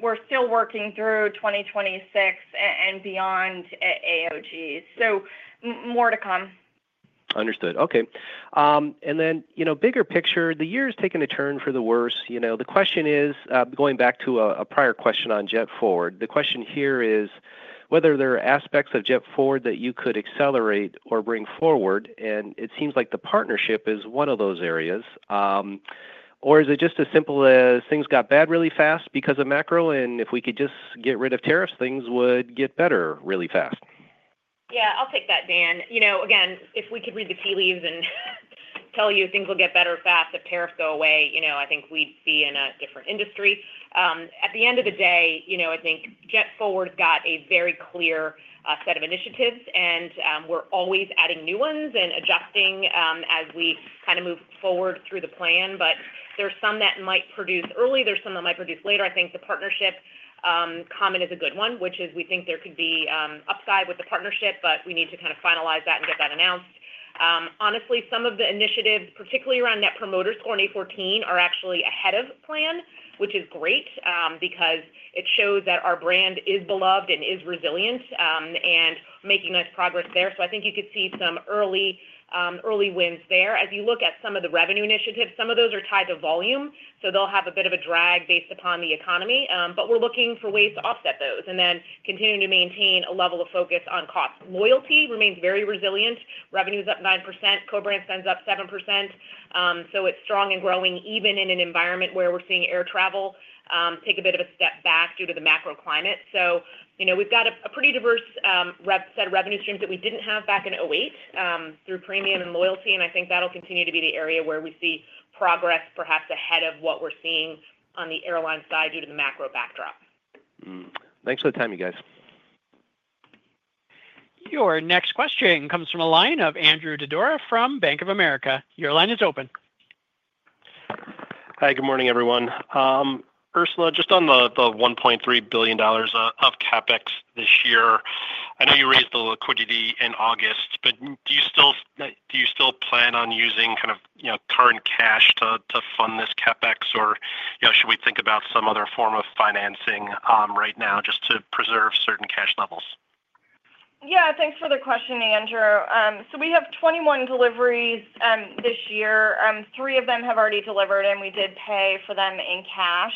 we're still working through 2026 and beyond AOGs. More to come. Understood. Okay. Bigger picture, the year is taking a turn for the worse. The question is, going back to a prior question on JetForward, the question here is whether there are aspects of JetForward that you could accelerate or bring forward. It seems like the partnership is one of those areas. Is it just as simple as things got bad really fast because of macro? If we could just get rid of tariffs, things would get better really fast. Yeah. I'll take that, Daniel. Again, if we could read the tea leaves and tell you things will get better fast if tariffs go away, I think we'd be in a different industry. At the end of the day, I think JetForward got a very clear set of initiatives, and we're always adding new ones and adjusting as we kind of move forward through the plan. There are some that might produce early. There are some that might produce later. I think the partnership comment is a good one, which is we think there could be upside with the partnership, but we need to kind of finalize that and get that announced. Honestly, some of the initiatives, particularly around net promoter score and A14, are actually ahead of plan, which is great because it shows that our brand is beloved and is resilient and making nice progress there. I think you could see some early wins there. As you look at some of the revenue initiatives, some of those are tied to volume. They'll have a bit of a drag based upon the economy. We're looking for ways to offset those and then continue to maintain a level of focus on cost. Loyalty remains very resilient. Revenue is up 9%. Cobrance ends up 7%. It is strong and growing even in an environment where we're seeing air travel take a bit of a step back due to the macro climate. We've got a pretty diverse set of revenue streams that we did not have back in 2008 through premium and loyalty. I think that'll continue to be the area where we see progress perhaps ahead of what we're seeing on the airline side due to the macro backdrop. Thanks for the time, you guys. Your next question comes from a line of Andrew Didora from Bank of America. Your line is open. Hi. Good morning, everyone. Ursula, just on the $1.3 billion of CapEx this year, I know you raised the liquidity in August, but do you still plan on using kind of current cash to fund this CapEx, or should we think about some other form of financing right now just to preserve certain cash levels? Yeah. Thanks for the question, Andrew. We have 21 deliveries this year. Three of them have already delivered, and we did pay for them in cash.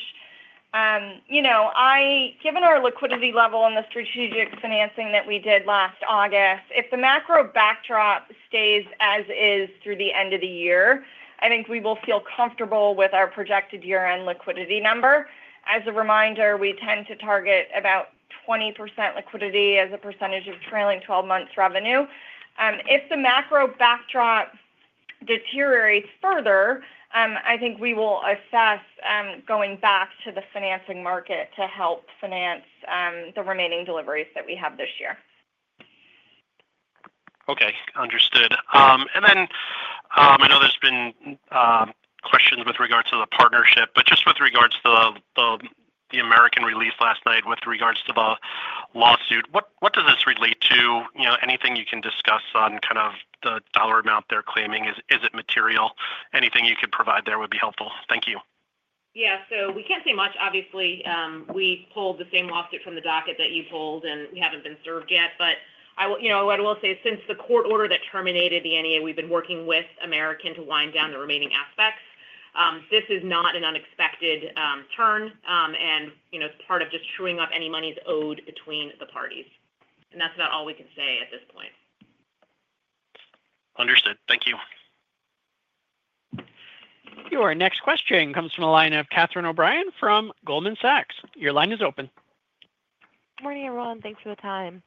Given our liquidity level and the strategic financing that we did last August, if the macro backdrop stays as is through the end of the year, I think we will feel comfortable with our projected year-end liquidity number. As a reminder, we tend to target about 20% liquidity as a percentage of trailing 12-month revenue. If the macro backdrop deteriorates further, I think we will assess going back to the financing market to help finance the remaining deliveries that we have this year. Okay. Understood. I know there's been questions with regards to the partnership, but just with regards to the American release last night with regards to the lawsuit, what does this relate to? Anything you can discuss on kind of the dollar amount they're claiming? Is it material? Anything you could provide there would be helpful. Thank you. Yeah. We can't say much. Obviously, we pulled the same lawsuit from the docket that you pulled, and we haven't been served yet. I will say since the court order that terminated the NEA, we've been working with American to wind down the remaining aspects. This is not an unexpected turn, and it's part of just truing up any money's owed between the parties. That's about all we can say at this point. Understood. Thank you. Your next question comes from a line of Catherine O'Brien from Goldman Sachs. Your line is open. Good morning, everyone. Thanks for the time.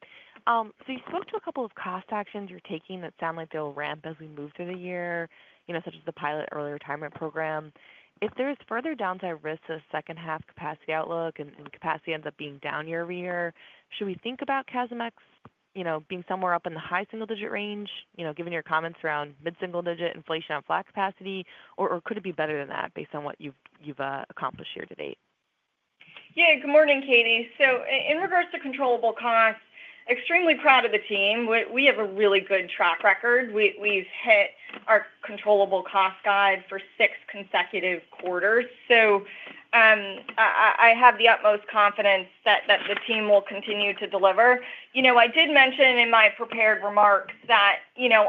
You spoke to a couple of cost actions you're taking that sound like they'll ramp as we move through the year, such as the pilot early retirement program. If there is further downside risk to the second-half capacity outlook and capacity ends up being down year-over-year, should we think about CASM ex being somewhere up in the high single-digit range, given your comments around mid-single digit inflation on flat capacity, or could it be better than that based on what you've accomplished year to date? Yeah. Good morning, Katie. In regards to controllable costs, extremely proud of the team. We have a really good track record. We've hit our controllable cost guide for six consecutive quarters. I have the utmost confidence that the team will continue to deliver. I did mention in my prepared remarks that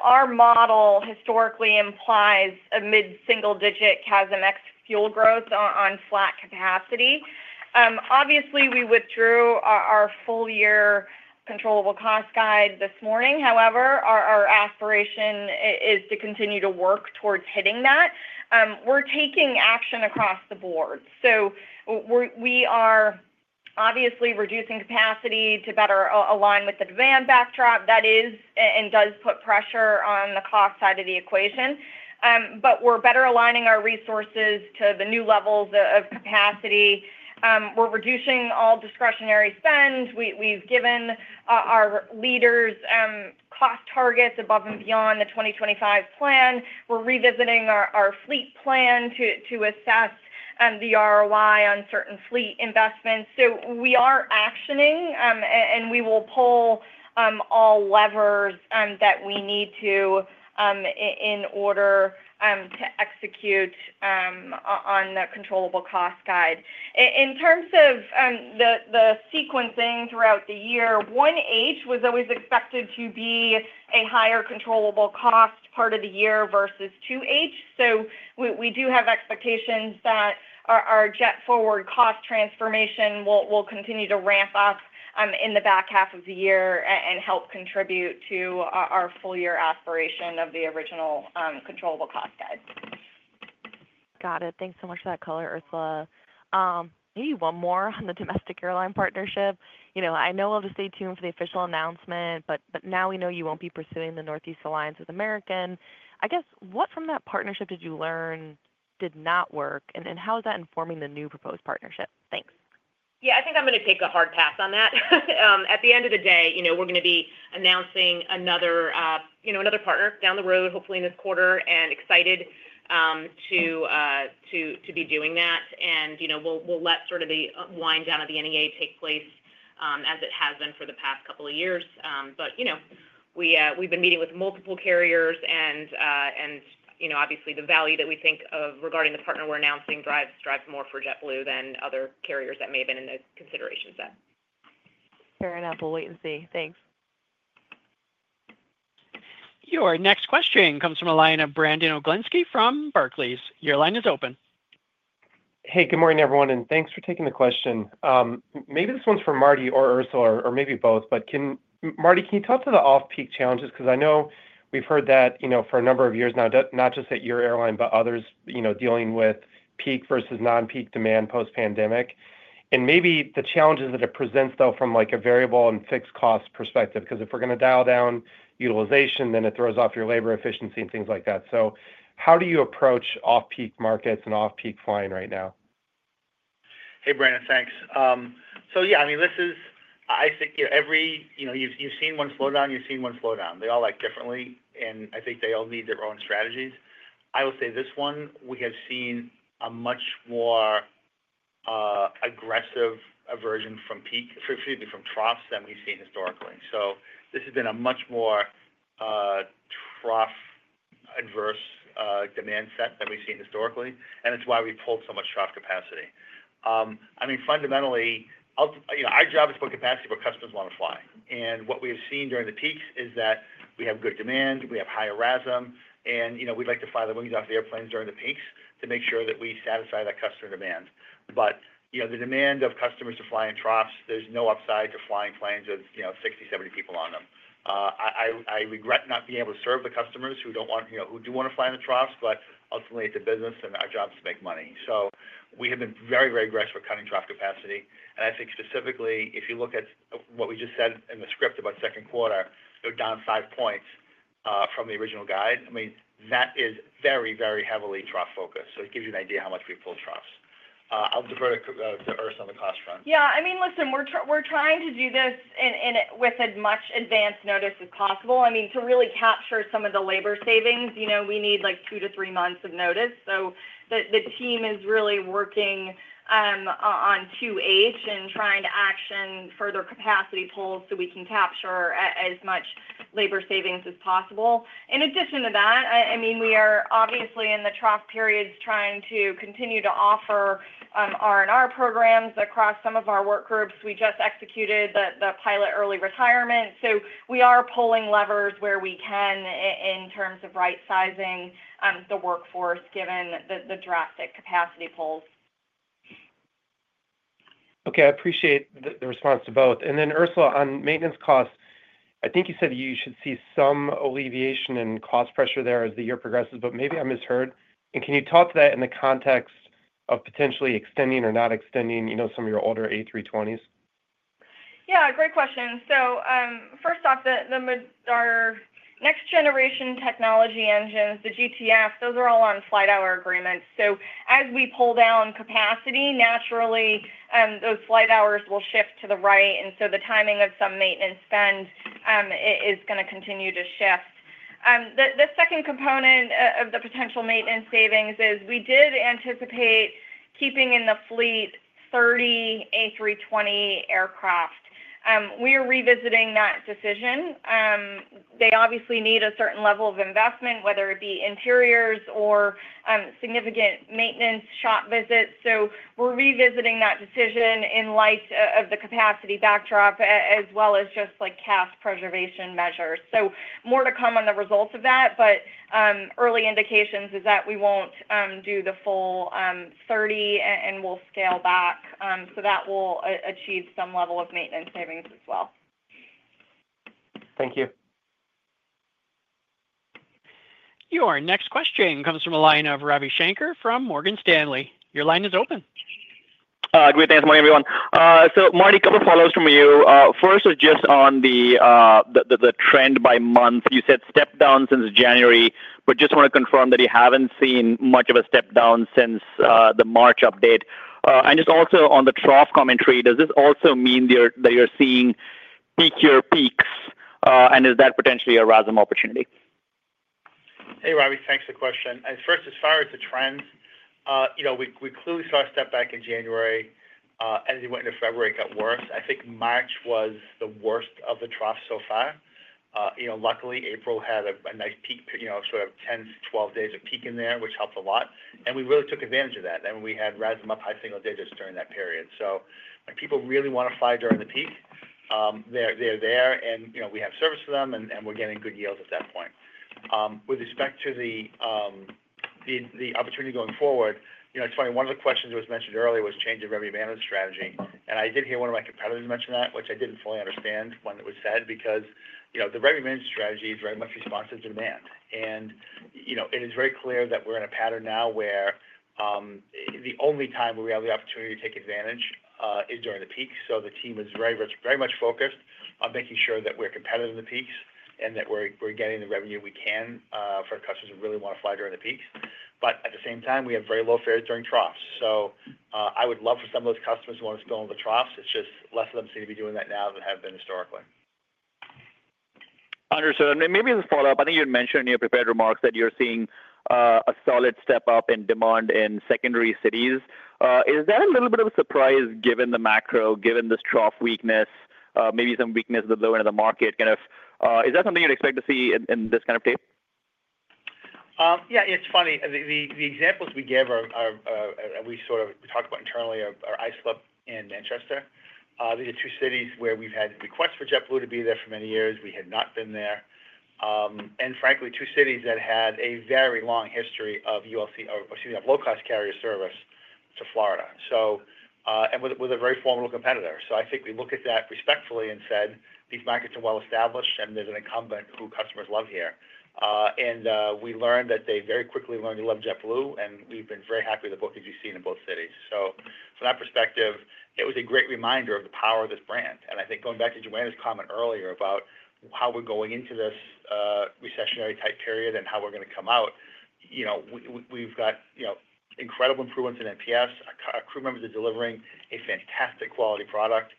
our model historically implies a mid-single digit CASM ex-fuel growth on flat capacity. Obviously, we withdrew our full-year controllable cost guide this morning. However, our aspiration is to continue to work towards hitting that. We're taking action across the board. We are obviously reducing capacity to better align with the demand backdrop that is and does put pressure on the cost side of the equation. We're better aligning our resources to the new levels of capacity. We're reducing all discretionary spend. We've given our leaders cost targets above and beyond the 2025 plan. We're revisiting our fleet plan to assess the ROI on certain fleet investments. We are actioning, and we will pull all levers that we need to in order to execute on the controllable cost guide. In terms of the sequencing throughout the year, 1H was always expected to be a higher controllable cost part of the year versus 2H. We do have expectations that our JetForward cost transformation will continue to ramp up in the back half of the year and help contribute to our full-year aspiration of the original controllable cost guide. Got it. Thanks so much for that color, Ursula. Maybe one more on the domestic airline partnership. I know we'll just stay tuned for the official announcement, but now we know you won't be pursuing the Northeast Alliance with American. I guess what from that partnership did you learn did not work, and how is that informing the new proposed partnership? Thanks. Yeah. I think I'm going to take a hard pass on that. At the end of the day, we're going to be announcing another partner down the road, hopefully in this quarter, excited to be doing that. We'll let sort of the wind down of the NEA take place as it has been for the past couple of years. We've been meeting with multiple carriers, and obviously, the value that we think regarding the partner we're announcing drives more for JetBlue than other carriers that may have been in the consideration set. Fair enough. We'll wait and see. Thanks. Your next question comes from a line of Brandon Oglensky from Barclays. Your line is open. Hey, good morning, everyone, and thanks for taking the question. Maybe this one's for Marty or Ursula, or maybe both, but Marty, can you talk to the off-peak challenges? Because I know we've heard that for a number of years now, not just at your airline, but others dealing with peak versus non-peak demand post-pandemic. Maybe the challenges that it presents, though, from a variable and fixed cost perspective, because if we're going to dial down utilization, then it throws off your labor efficiency and things like that. How do you approach off-peak markets and off-peak flying right now? Hey, Brandon, thanks. Yeah, I mean, this is, I think, every, you've seen one slow down, you've seen one slow down. They all act differently, and I think they all need their own strategies. I will say this one, we have seen a much more aggressive aversion from peak, excuse me, from troughs than we've seen historically. This has been a much more trough-adverse demand set than we've seen historically, and it's why we pulled so much trough capacity. I mean, fundamentally, our job is to put capacity where customers want to fly. What we have seen during the peaks is that we have good demand, we have higher RASM, and we'd like to fly the wings off the airplanes during the peaks to make sure that we satisfy that customer demand. The demand of customers to fly in troughs, there's no upside to flying planes with 60, 70 people on them. I regret not being able to serve the customers who do want to fly in the troughs, but ultimately, it's a business, and our job is to make money. We have been very, very aggressive with cutting trough capacity. I think specifically, if you look at what we just said in the script about second quarter, down five points from the original guide, that is very, very heavily trough-focused. It gives you an idea how much we've pulled troughs. I'll defer to Ursula on the cost front. Yeah. I mean, listen, we're trying to do this with as much advance notice as possible. I mean, to really capture some of the labor savings, we need like two to three months of notice. The team is really working on 2H and trying to action further capacity pulls so we can capture as much labor savings as possible. In addition to that, I mean, we are obviously in the trough periods trying to continue to offer R&R programs across some of our work groups. We just executed the pilot early retirement. We are pulling levers where we can in terms of right-sizing the workforce given the drastic capacity pulls. Okay. I appreciate the response to both. Ursula, on maintenance costs, I think you said you should see some alleviation in cost pressure there as the year progresses, but maybe I misheard. Can you talk to that in the context of potentially extending or not extending some of your older A320s? Yeah. Great question. First off, our next-generation technology engines, the GTF, those are all on flight hour agreements. As we pull down capacity, naturally, those flight hours will shift to the right. The timing of some maintenance spend is going to continue to shift. The second component of the potential maintenance savings is we did anticipate keeping in the fleet 30 A320 aircraft. We are revisiting that decision. They obviously need a certain level of investment, whether it be interiors or significant maintenance shop visits. We are revisiting that decision in light of the capacity backdrop as well as just like CAS preservation measures. More to come on the results of that, but early indications is that we will not do the full 30, and we will scale back. That will achieve some level of maintenance savings as well. Thank you. Your next question comes from a line of Ravi Shanker from Morgan Stanley. Your line is open. Good afternoon. Good morning, everyone. Marty, a couple of follows from you. First, just on the trend by month, you said step down since January, but just want to confirm that you have not seen much of a step down since the March update. Also, on the trough commentary, does this also mean that you are seeing peak-year peaks, and is that potentially a RASM opportunity? Hey, Ravi. Thanks for the question. First, as far as the trends, we clearly saw a step back in January. As we went into February, it got worse. I think March was the worst of the trough so far. Luckily, April had a nice peak, sort of 10-12 days of peak in there, which helped a lot. We really took advantage of that. We had RASM up high single digits during that period. When people really want to fly during the peak, they're there, and we have service for them, and we're getting good yields at that point. With respect to the opportunity going forward, it's funny. One of the questions that was mentioned earlier was change in revenue management strategy. I did hear one of my competitors mention that, which I did not fully understand when it was said because the revenue management strategy is very much responsive to demand. It is very clear that we are in a pattern now where the only time where we have the opportunity to take advantage is during the peak. The team is very much focused on making sure that we are competitive in the peaks and that we are getting the revenue we can for customers who really want to fly during the peaks. At the same time, we have very low fares during troughs. I would love for some of those customers who want to spill into the troughs. It is just less of them seem to be doing that now than have been historically. Understood. Maybe as a follow-up, I think you had mentioned in your prepared remarks that you're seeing a solid step up in demand in secondary cities. Is that a little bit of a surprise given the macro, given this trough weakness, maybe some weakness at the low end of the market? Kind of is that something you'd expect to see in this kind of tape? Yeah. It's funny. The examples we gave or we sort of talked about internally are Islip and Manchester. These are two cities where we've had requests for JetBlue to be there for many years. We had not been there. Frankly, two cities that had a very long history of low-cost carrier service to Florida, and with a very formidable competitor. I think we looked at that respectfully and said, "These markets are well established, and there's an incumbent who customers love here." We learned that they very quickly learned to love JetBlue, and we've been very happy with the bookings we've seen in both cities. From that perspective, it was a great reminder of the power of this brand. I think going back to Joanna's comment earlier about how we're going into this recessionary-type period and how we're going to come out, we've got incredible improvements in NPS. Our crew members are delivering a fantastic quality product.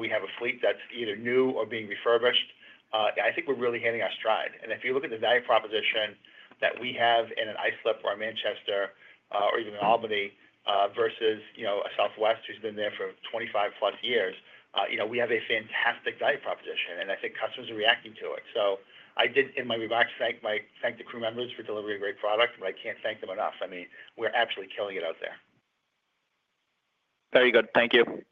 We have a fleet that's either new or being refurbished. I think we're really hitting our stride. If you look at the value proposition that we have in an Islip or a Manchester or even an Albany versus a Southwest who's been there for 25-plus years, we have a fantastic value proposition, and I think customers are reacting to it. I did, in my remarks, thank the crew members for delivering a great product, but I can't thank them enough. I mean, we're absolutely killing it out there. Very good. Thank you.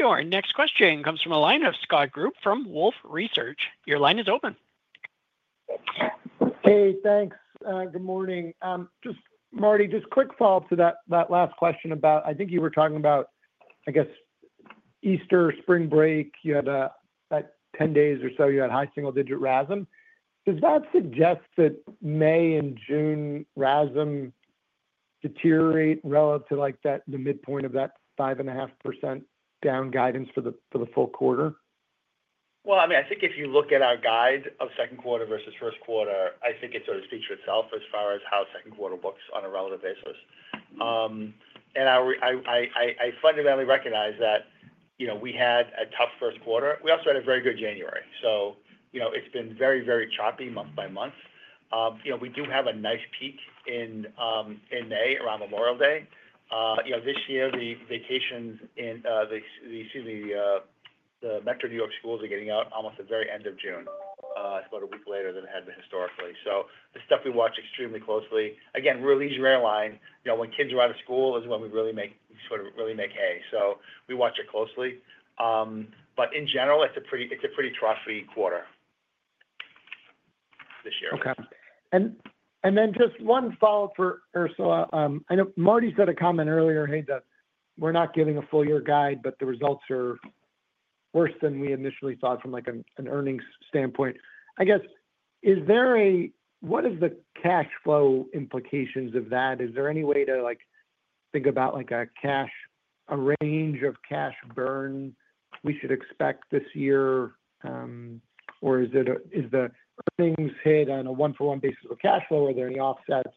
Your next question comes from a line of Scott Group from Wolfe Research. Your line is open. Hey, thanks. Good morning. Just Marty, just quick follow-up to that last question about I think you were talking about, I guess, Easter, spring break, you had that 10 days or so you had high single-digit RASM. Does that suggest that May and June RASM deteriorate relative to the midpoint of that 5.5% down guidance for the full quarter? I mean, I think if you look at our guide of second quarter versus first quarter, I think it sort of speaks for itself as far as how second quarter looks on a relative basis. I fundamentally recognize that we had a tough first quarter. We also had a very good January. It has been very, very choppy month by month. We do have a nice peak in May around Memorial Day. This year, the vacations in the, excuse me, the Metro New York schools are getting out almost at the very end of June. It is about a week later than it had been historically. This is the stuff we watch extremely closely. Again, we are a leisure airline. When kids are out of school is when we really make sort of really make hay. We watch it closely. In general, it is a pretty troughy quarter this year. Okay. Just one follow-up for Ursula. I know Marty said a comment earlier, "Hey, we're not giving a full-year guide, but the results are worse than we initially thought from an earnings standpoint." I guess, what are the cash flow implications of that? Is there any way to think about a range of cash burn we should expect this year, or is the earnings hit on a one-for-one basis with cash flow? Are there any offsets?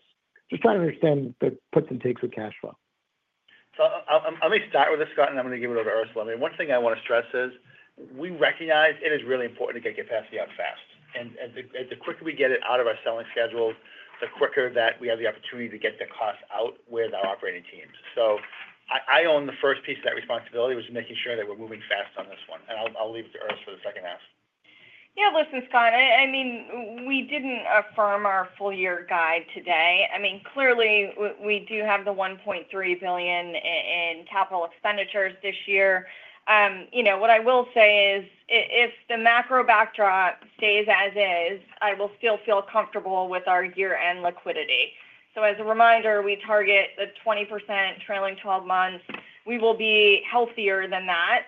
Just trying to understand the puts and takes with cash flow. I am going to start with this, Scott, and I am going to give it over to Ursula. I mean, one thing I want to stress is we recognize it is really important to get capacity out fast. The quicker we get it out of our selling schedule, the quicker that we have the opportunity to get the cost out with our operating teams. I own the first piece of that responsibility, which is making sure that we are moving fast on this one. I will leave it to Ursula for the second half. Yeah. Listen, Scott, I mean, we did not affirm our full-year guide today. I mean, clearly, we do have the $1.3 billion in capital expenditures this year. What I will say is if the macro backdrop stays as is, I will still feel comfortable with our year-end liquidity. As a reminder, we target the 20% trailing 12 months. We will be healthier than that.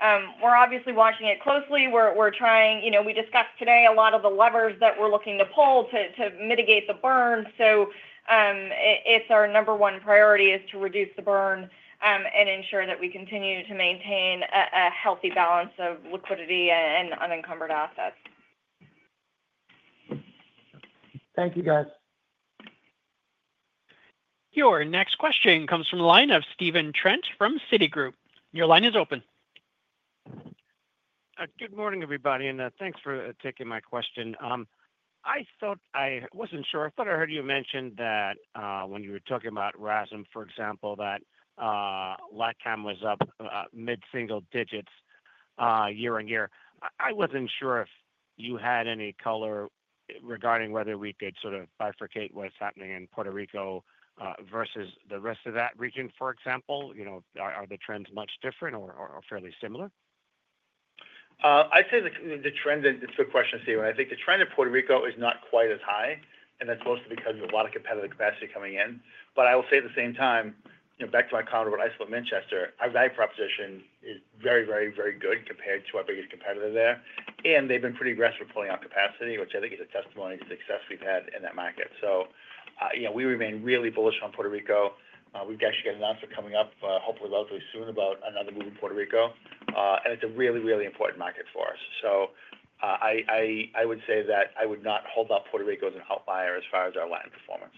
We are obviously watching it closely. We discussed today a lot of the levers that we are looking to pull to mitigate the burn. It is our number one priority to reduce the burn and ensure that we continue to maintain a healthy balance of liquidity and unencumbered assets. Thank you, guys. Your next question comes from a line of Steve Trent from Citigroup. Your line is open. Good morning, everybody. Thanks for taking my question. I wasn't sure. I thought I heard you mention that when you were talking about RASM, for example, that Latin America was up mid-single digits year-on-year. I wasn't sure if you had any color regarding whether we could sort of bifurcate what's happening in Puerto Rico versus the rest of that region, for example. Are the trends much different or fairly similar? I'd say the trend—it's a good question, Steve. I think the trend in Puerto Rico is not quite as high, and that's mostly because of a lot of competitive capacity coming in. I will say at the same time, back to my comment about Islip and Manchester, our value proposition is very, very, very good compared to our biggest competitor there. They've been pretty aggressive in pulling out capacity, which I think is a testimony to the success we've had in that market. We remain really bullish on Puerto Rico. We've actually got an announcement coming up, hopefully relatively soon, about another move in Puerto Rico. It's a really, really important market for us. I would say that I would not hold out Puerto Rico as an outlier as far as our LATAM performance.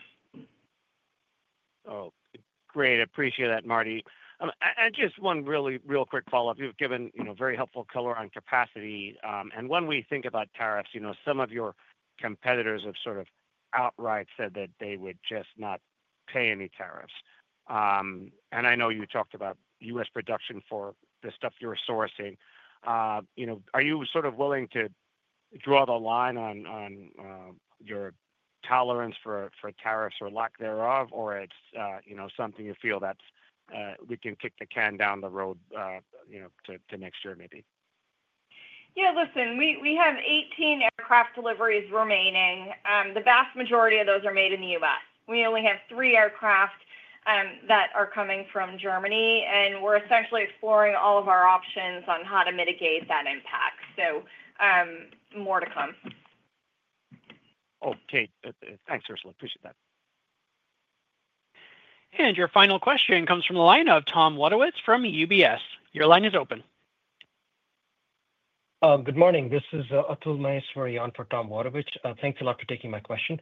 Oh, great. I appreciate that, Marty. Just one really real quick follow-up. You've given very helpful color on capacity. When we think about tariffs, some of your competitors have sort of outright said that they would just not pay any tariffs. I know you talked about U.S. production for the stuff you're sourcing. Are you sort of willing to draw the line on your tolerance for tariffs or lack thereof, or is it something you feel that we can kick the can down the road to next year maybe? Yeah. Listen, we have 18 aircraft deliveries remaining. The vast majority of those are made in the U.S. We only have three aircraft that are coming from Germany, and we're essentially exploring all of our options on how to mitigate that impact. More to come. Oh, thanks. Thanks, Ursula. Appreciate that. Your final question comes from the line of Tom Wadewitz from UBS. Your line is open. Good morning. This is Atul Maiswariyan for Tom Wadewitz. Thanks a lot for taking my question.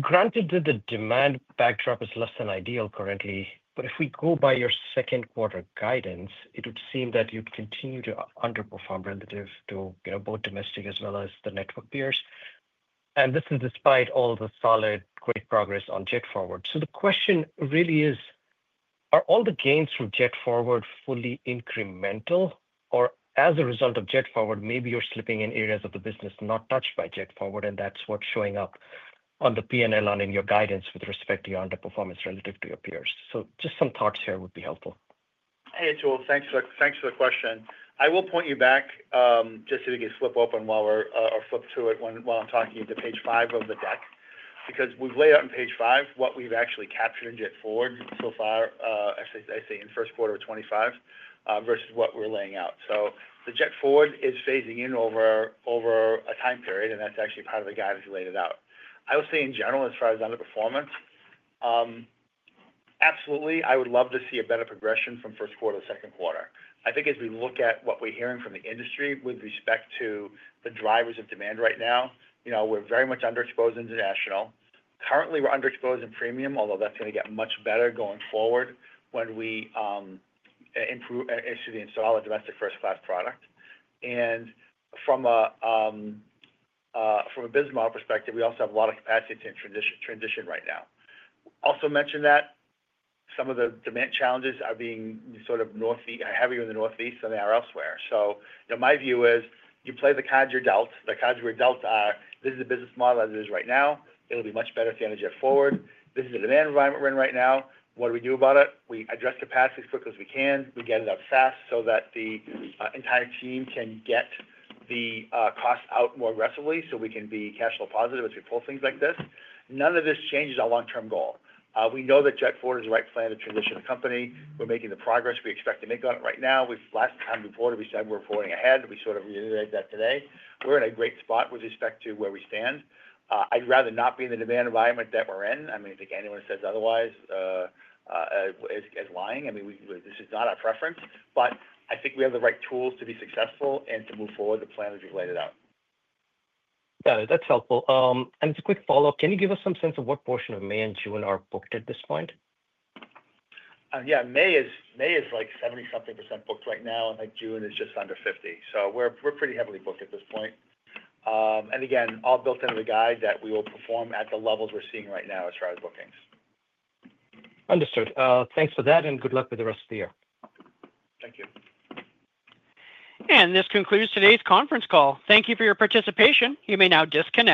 Granted, the demand backdrop is less than ideal currently, but if we go by your second quarter guidance, it would seem that you'd continue to underperform relative to both domestic as well as the network peers. This is despite all the solid great progress on JetForward. The question really is, are all the gains from JetForward fully incremental, or as a result of JetForward, maybe you're slipping in areas of the business not touched by JetForward, and that's what's showing up on the P&L and in your guidance with respect to your underperformance relative to your peers? Just some thoughts here would be helpful. Hey, Atul. Thanks for the question. I will point you back just so we can flip open while we're or flip through it while I'm talking to page five of the deck because we've laid out on page five what we've actually captured in JetForward so far, I say in first quarter of 2025 versus what we're laying out. JetForward is phasing in over a time period, and that's actually part of the guide as we laid it out. I would say in general, as far as underperformance, absolutely, I would love to see a better progression from first quarter to second quarter. I think as we look at what we're hearing from the industry with respect to the drivers of demand right now, we're very much underexposed in international. Currently, we're underexposed in premium, although that's going to get much better going forward when we install a domestic first-class product. From a business model perspective, we also have a lot of capacity to transition right now. I also mention that some of the demand challenges are being sort of heavier in the Northeast than they are elsewhere. My view is you play the Cajer Delt. The Cajer Delt, this is the business model as it is right now. It'll be much better at the end of JetForward. This is the demand environment we're in right now. What do we do about it? We address capacity as quickly as we can. We get it out fast so that the entire team can get the cost out more aggressively so we can be cash flow positive as we pull things like this. None of this changes our long-term goal. We know that JetForward is the right plan to transition the company. We're making the progress we expect to make on it right now. Last time we boarded, we said we're forwarding ahead. We sort of reiterated that today. We're in a great spot with respect to where we stand. I'd rather not be in the demand environment that we're in. I mean, I think anyone who says otherwise is lying. I mean, this is not our preference. But I think we have the right tools to be successful and to move forward the plan as we've laid it out. Got it. That's helpful. As a quick follow-up, can you give us some sense of what portion of May and June are booked at this point? Yeah. May is like 70-something % booked right now, and June is just under 50%. We're pretty heavily booked at this point. Again, all built into the guide that we will perform at the levels we're seeing right now as far as bookings. Understood. Thanks for that, and good luck with the rest of the year. Thank you. This concludes today's conference call. Thank you for your participation. You may now disconnect.